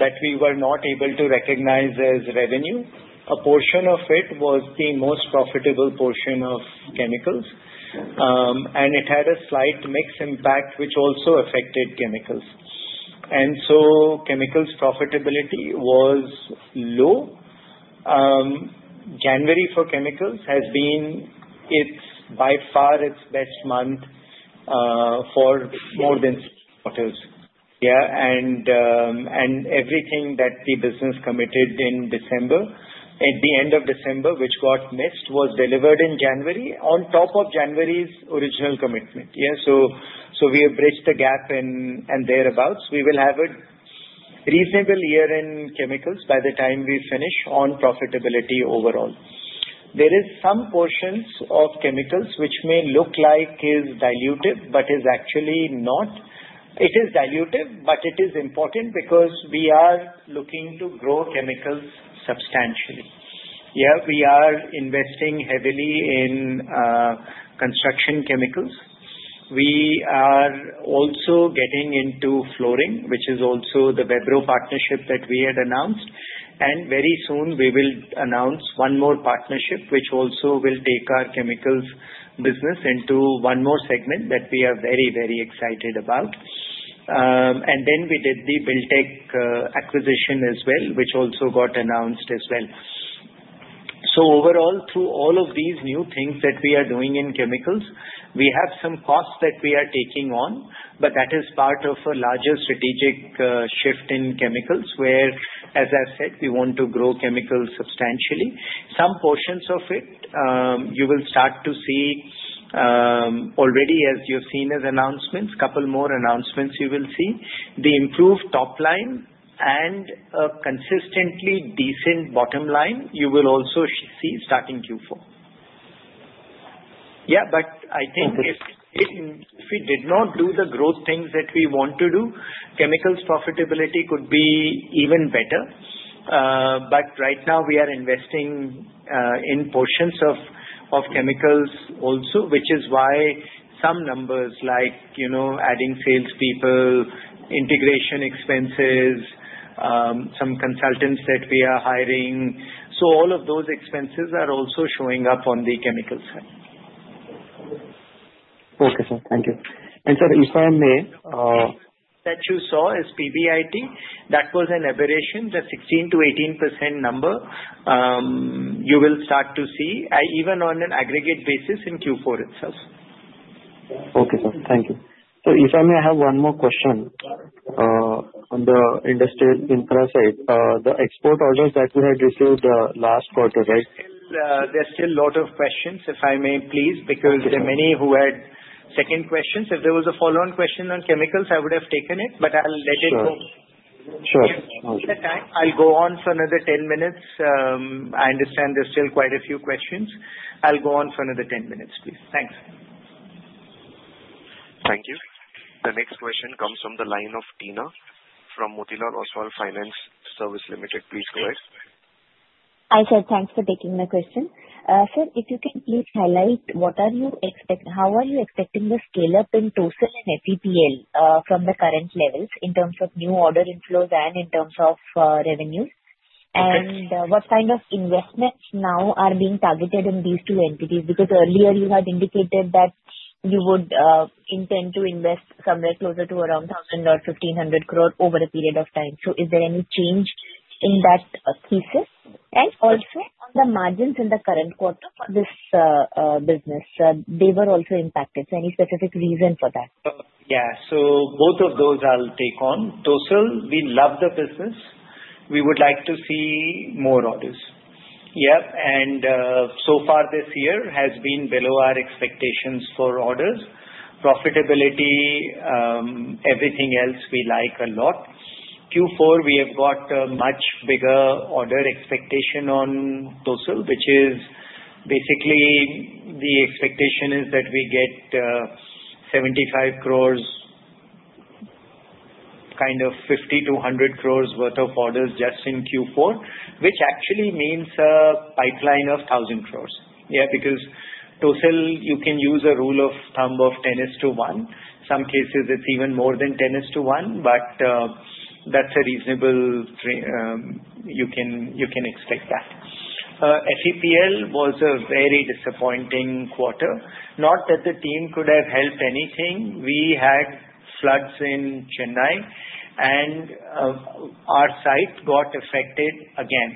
that we were not able to recognize as revenue, a portion of it was the most profitable portion of chemicals, and it had a slight mix impact, which also affected chemicals, and so chemicals profitability was low. January for chemicals has been by far its best month for more than six quarters. Yeah, and everything that the business committed in December, at the end of December, which got missed, was delivered in January on top of January's original commitment. Yeah, so we have bridged the gap and thereabouts. We will have a reasonable year in chemicals by the time we finish on profitability overall. There are some portions of chemicals which may look like it is diluted, but it is actually not. It is diluted, but it is important because we are looking to grow chemicals substantially. Yeah, we are investing heavily in construction chemicals. We are also getting into flooring, which is also the Vebro partnership that we had announced. Very soon, we will announce one more partnership, which also will take our chemicals business into one more segment that we are very, very excited about. Then we did the Buildtech acquisition as well, which also got announced as well. Overall, through all of these new things that we are doing in chemicals, we have some costs that we are taking on, but that is part of a larger strategic shift in chemicals where, as I said, we want to grow chemicals substantially. Some portions of it, you will start to see already, as you've seen as announcements, a couple more announcements you will see. The improved top line and a consistently decent bottom line, you will also see starting Q4. Yeah, but I think if we did not do the growth things that we want to do, chemicals profitability could be even better. But right now, we are investing in portions of chemicals also, which is why some numbers like adding salespeople, integration expenses, some consultants that we are hiring. So all of those expenses are also showing up on the chemical side. Okay, sir. Thank you. And sir, if I may. That you saw as PBIT, that was an aberration, the 16%-18% number. You will start to see even on an aggregate basis in Q4 itself. Okay, sir. Thank you. So if I may, I have one more question on the Industrial Infra side. The export orders that we had received last quarter, right? There's still a lot of questions, if I may, please, because there are many who had second questions. If there was a follow-on question on chemicals, I would have taken it, but I'll let it go. Sure. I'll go on for another 10 minutes. I understand there's still quite a few questions. I'll go on for another 10 minutes, please. Thanks. Thank you. The next question comes from the line of Teena from Motilal Oswal Financial Services Limited. Please go ahead. Hi, sir. Thanks for taking the question. Sir, if you can please highlight how are you expecting the scale-up in TOESL and FEPL from the current levels in terms of new order inflows and in terms of revenues? And what kind of investments now are being targeted in these two entities? Because earlier, you had indicated that you would intend to invest somewhere closer to around 1,000 crore or 1,500 crore over a period of time. So is there any change in that thesis? And also, on the margins in the current quarter for this business, they were also impacted. So any specific reason for that? Yeah, so both of those I'll take on. TOESL, we love the business. We would like to see more orders. Yeah, and so far this year has been below our expectations for orders. Profitability, everything else, we like a lot. Q4, we have got a much bigger order expectation on TOESL, which is basically the expectation is that we get 75 crores, kind of 50 to 100 crores worth of orders just in Q4, which actually means a pipeline of 1,000 crores. Yeah, because TOESL, you can use a rule of thumb of 10 is to 1. In some cases, it's even more than 10 is to 1, but that's a reasonable you can expect that. FEPL was a very disappointing quarter. Not that the team could have helped anything. We had floods in Chennai, and our site got affected again.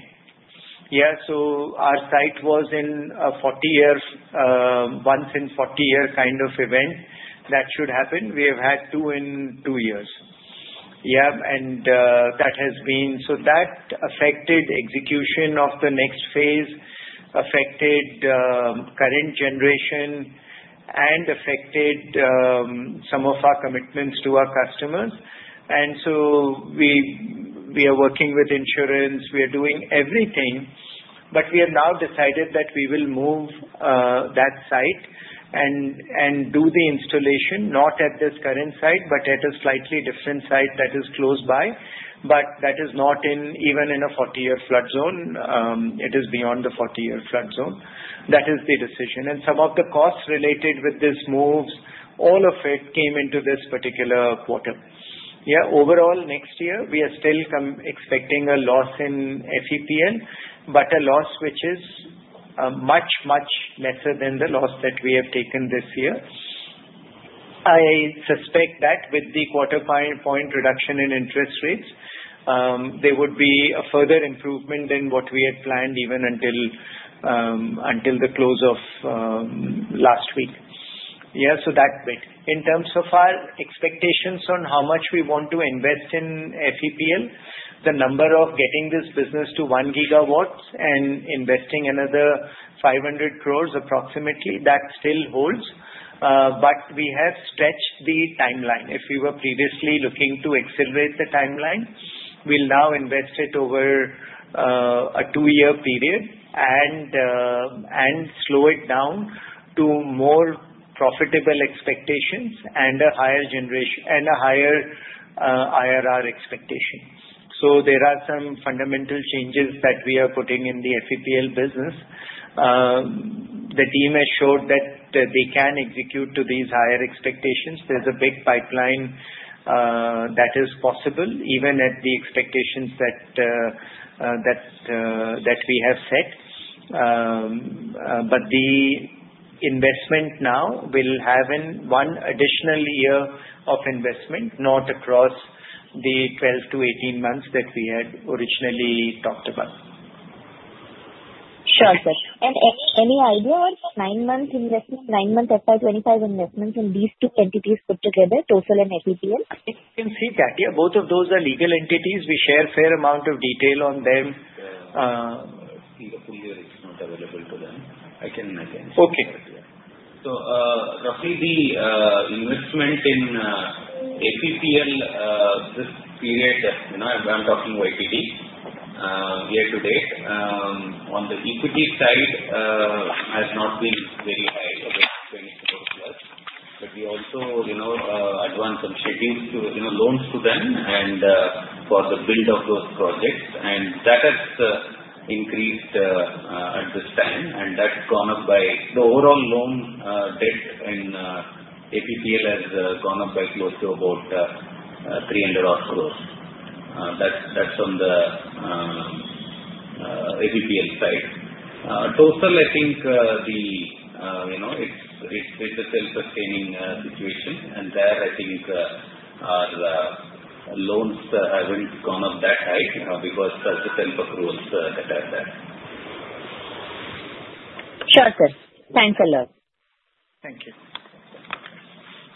Yeah, so our site was in a 40-year once-in-40-year kind of event that should happen. We have had two in two years. Yeah, and that has been so that affected execution of the next phase, affected current generation, and affected some of our commitments to our customers. We are working with insurance. We are doing everything. We have now decided that we will move that site and do the installation, not at this current site, but at a slightly different site that is close by, but that is not even in a 40-year flood zone. It is beyond the 40-year flood zone. That is the decision. Some of the costs related with these moves, all of it came into this particular quarter. Yeah, overall, next year, we are still expecting a loss in FEPL, but a loss which is much, much lesser than the loss that we have taken this year. I suspect that with the quarter-point reduction in interest rates, there would be a further improvement in what we had planned even until the close of last week. Yeah, so that bit. In terms of our expectations on how much we want to invest in FEPL, the number of getting this business to 1 gigawatt and investing another 500 crore approximately, that still holds. But we have stretched the timeline. If we were previously looking to accelerate the timeline, we'll now invest it over a two-year period and slow it down to more profitable expectations ana higher IRR expectation. So there are some fundamental changes that we are putting in the FEPL business. The team has showed that they can execute to these higher expectations. There's a big pipeline that is possible even at the expectations that we have set. But the investment now will have one additional year of investment, not across the 12 to 18 months that we had originally talked about. Sure, sir. And any idea on the 9-month investment, 9-month FY25 investment in these two entities put together, TOESL and FEPL? You can see that. Yeah, both of those are legal entities. We share a fair amount of detail on them. The full year is not available to them. I can again see it. Okay. So roughly, the investment in FEPL this period, I'm talking YTD year to date, on the equity side has not been very high, about 20 crores plus. But we also advance some loans to them for the build of those projects. And that has increased at this time. And that's gone up. The overall loan debt in FEPL has gone up by close to about 300-odd crores. That's on the FEPL side. TOESL, I think it's a self-sustaining situation. And there, I think our loans haven't gone up that high because of the self-approvals that I've had. Sure, sir. Thanks a lot. Thank you.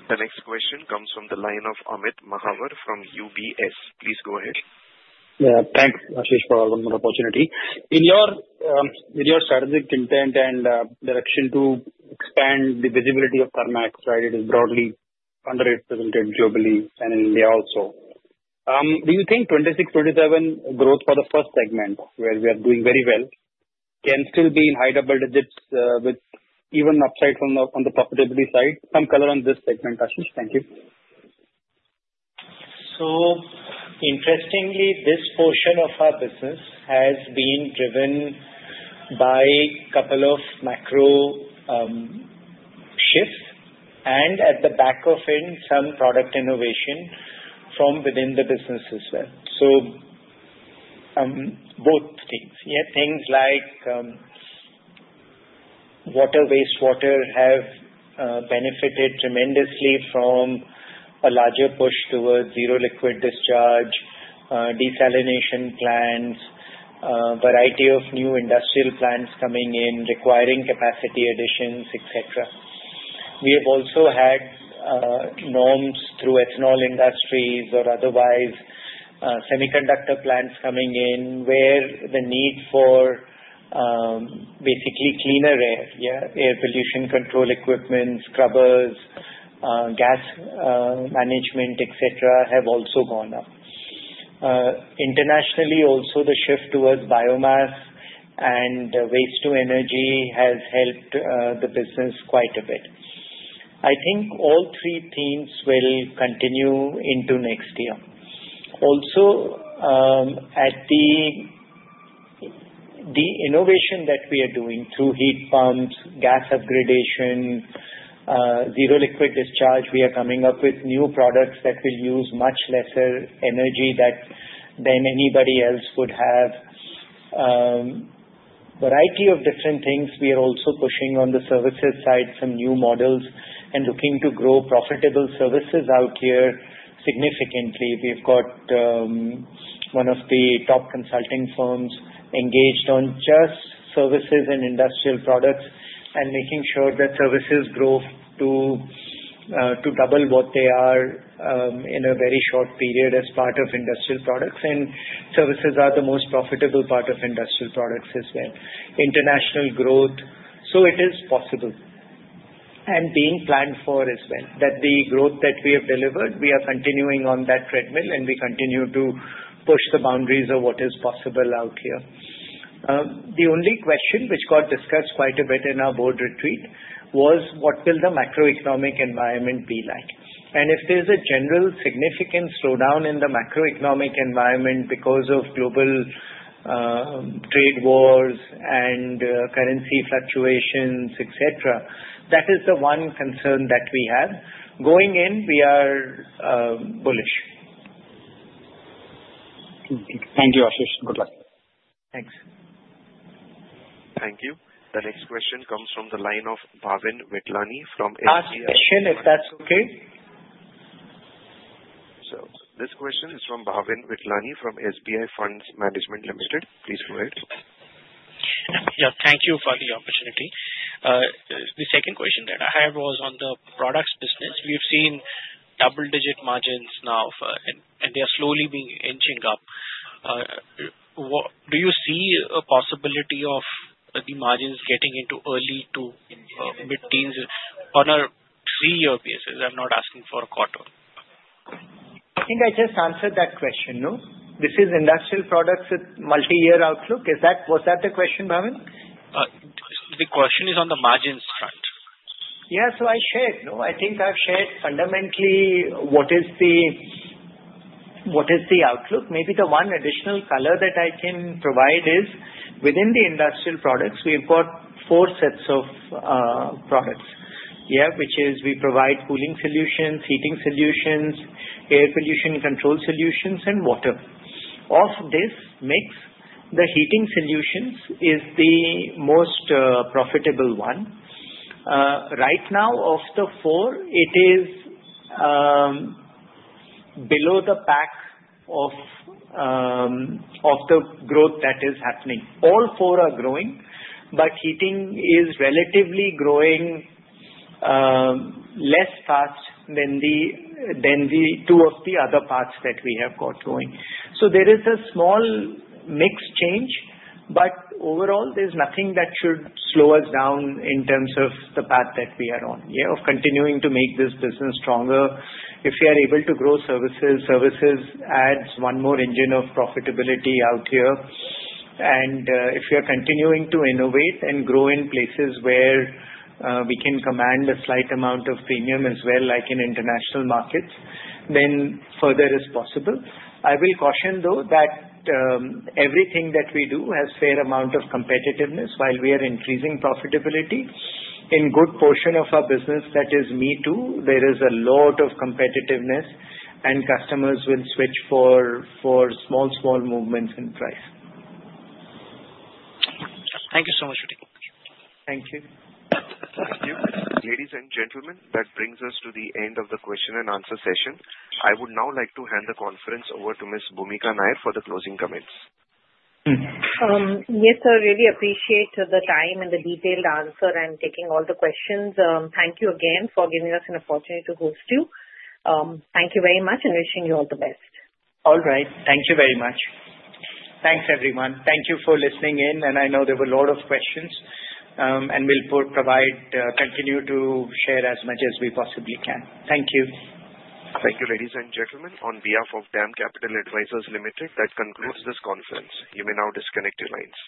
The next question comes from the line of Amit Mahawar from UBS. Please go ahead. Thanks, Ashish, for the opportunity. In your strategic intent and direction to expand the visibility of Thermax, right, it is broadly underrepresented globally and in India also. Do you think 26-27 growth for the first segment, where we are doing very well, can still be in high double digits with even upside on the profitability side? Some color on this segment, Ashish. Thank you. So interestingly, this portion of our business has been driven by a couple of macro shifts and at the back of it, some product innovation from within the business as well. So both things. Yeah, things like water, wastewater have benefited tremendously from a larger push towards zero liquid discharge, desalination plants, a variety of new industrial plants coming in, requiring capacity additions, etc. We have also had norms through ethanol industries or otherwise, semiconductor plants coming in, where the need for basically cleaner air, yeah, air pollution control equipment, scrubbers, gas management, etc., have also gone up. Internationally, also, the shift towards biomass and waste-to-energy has helped the business quite a bit. I think all three themes will continue into next year. Also, at the innovation that we are doing through heat pumps, gas upgradation, zero liquid discharge, we are coming up with new products that will use much lesser energy than anybody else would have. A variety of different things. We are also pushing on the services side some new models and looking to grow profitable services out here significantly. We've got one of the top consulting firms engaged on just services and and making sure that services grow to double what they are in a very short period as part of. And services are the most profitable part of as well. International growth. So it is possible and being planned for as well. That the growth that we have delivered, we are continuing on that treadmill, and we continue to push the boundaries of what is possible out here. The only question which got discussed quite a bit in our board retreat was, what will the macroeconomic environment be like, and if there's a general significant slowdown in the macroeconomic environment because of global trade wars and currency fluctuations, etc., that is the one concern that we have. Going in, we are bullish. Thank you, Ashish. Good luck. Thanks. Thank you. The next question comes from the line of Bhavin Vithlani from SBI. Last question, if that's okay. So this question is from Bhavin Vithlani from SBI Mutual Fund. Please go ahead. Yeah, thank you for the opportunity. The second question that I had was on the products business. We've seen double-digit margins now, and they are slowly being inching up. Do you see a possibility of the margins getting into early to mid-teens on a three-year basis? I'm not asking for a quarter. I think I just answered that question. This is with multi-year outlook. Was that the question, Bhavin? The question is on the margins front. Yeah, so I shared. I think I've shared fundamentally what is the outlook. Maybe the one additional color that I can provide is within the, we've got four sets of products, yeah, which is we provide cooling solutions, heating solutions, air pollution control solutions, and water. Of this, the heating solutions is the most profitable one. Right now, of the four, it is below the pack of the growth that is happening. All four are growing, but heating is relatively growing less fast than the two of the other parts that we have got going. So there is a small mixed change, but overall, there's nothing that should slow us down in terms of the path that we are on, yeah, of continuing to make this business stronger. If we are able to grow services, services adds one more engine of profitability out here. If we are continuing to innovate and grow in places where we can command a slight amount of premium as well, like in international markets, then further is possible. I will caution, though, that everything that we do has a fair amount of competitiveness while we are increasing profitability. In a good portion of our business, that is me too, there is a lot of competitiveness, and customers will switch for small, small movements in price. Thank you so much, Ritik. Thank you. Thank you. Ladies and gentlemen, that brings us to the end of the question and answer session. I would now like to hand the conference over to Ms. Bhoomika Nair for the closing comments. Yes, sir. Really appreciate the time and the detailed answer and taking all the questions. Thank you again for giving us an opportunity to host you. Thank you very much and wishing you all the best. All right. Thank you very much. Thanks, everyone. Thank you for listening in, and I know there were a lot of questions, and we'll continue to share as much as we possibly can. Thank you. Thank you, ladies and gentlemen. On behalf of DAM Capital Advisors Limited, that concludes this conference. You may now disconnect your lines.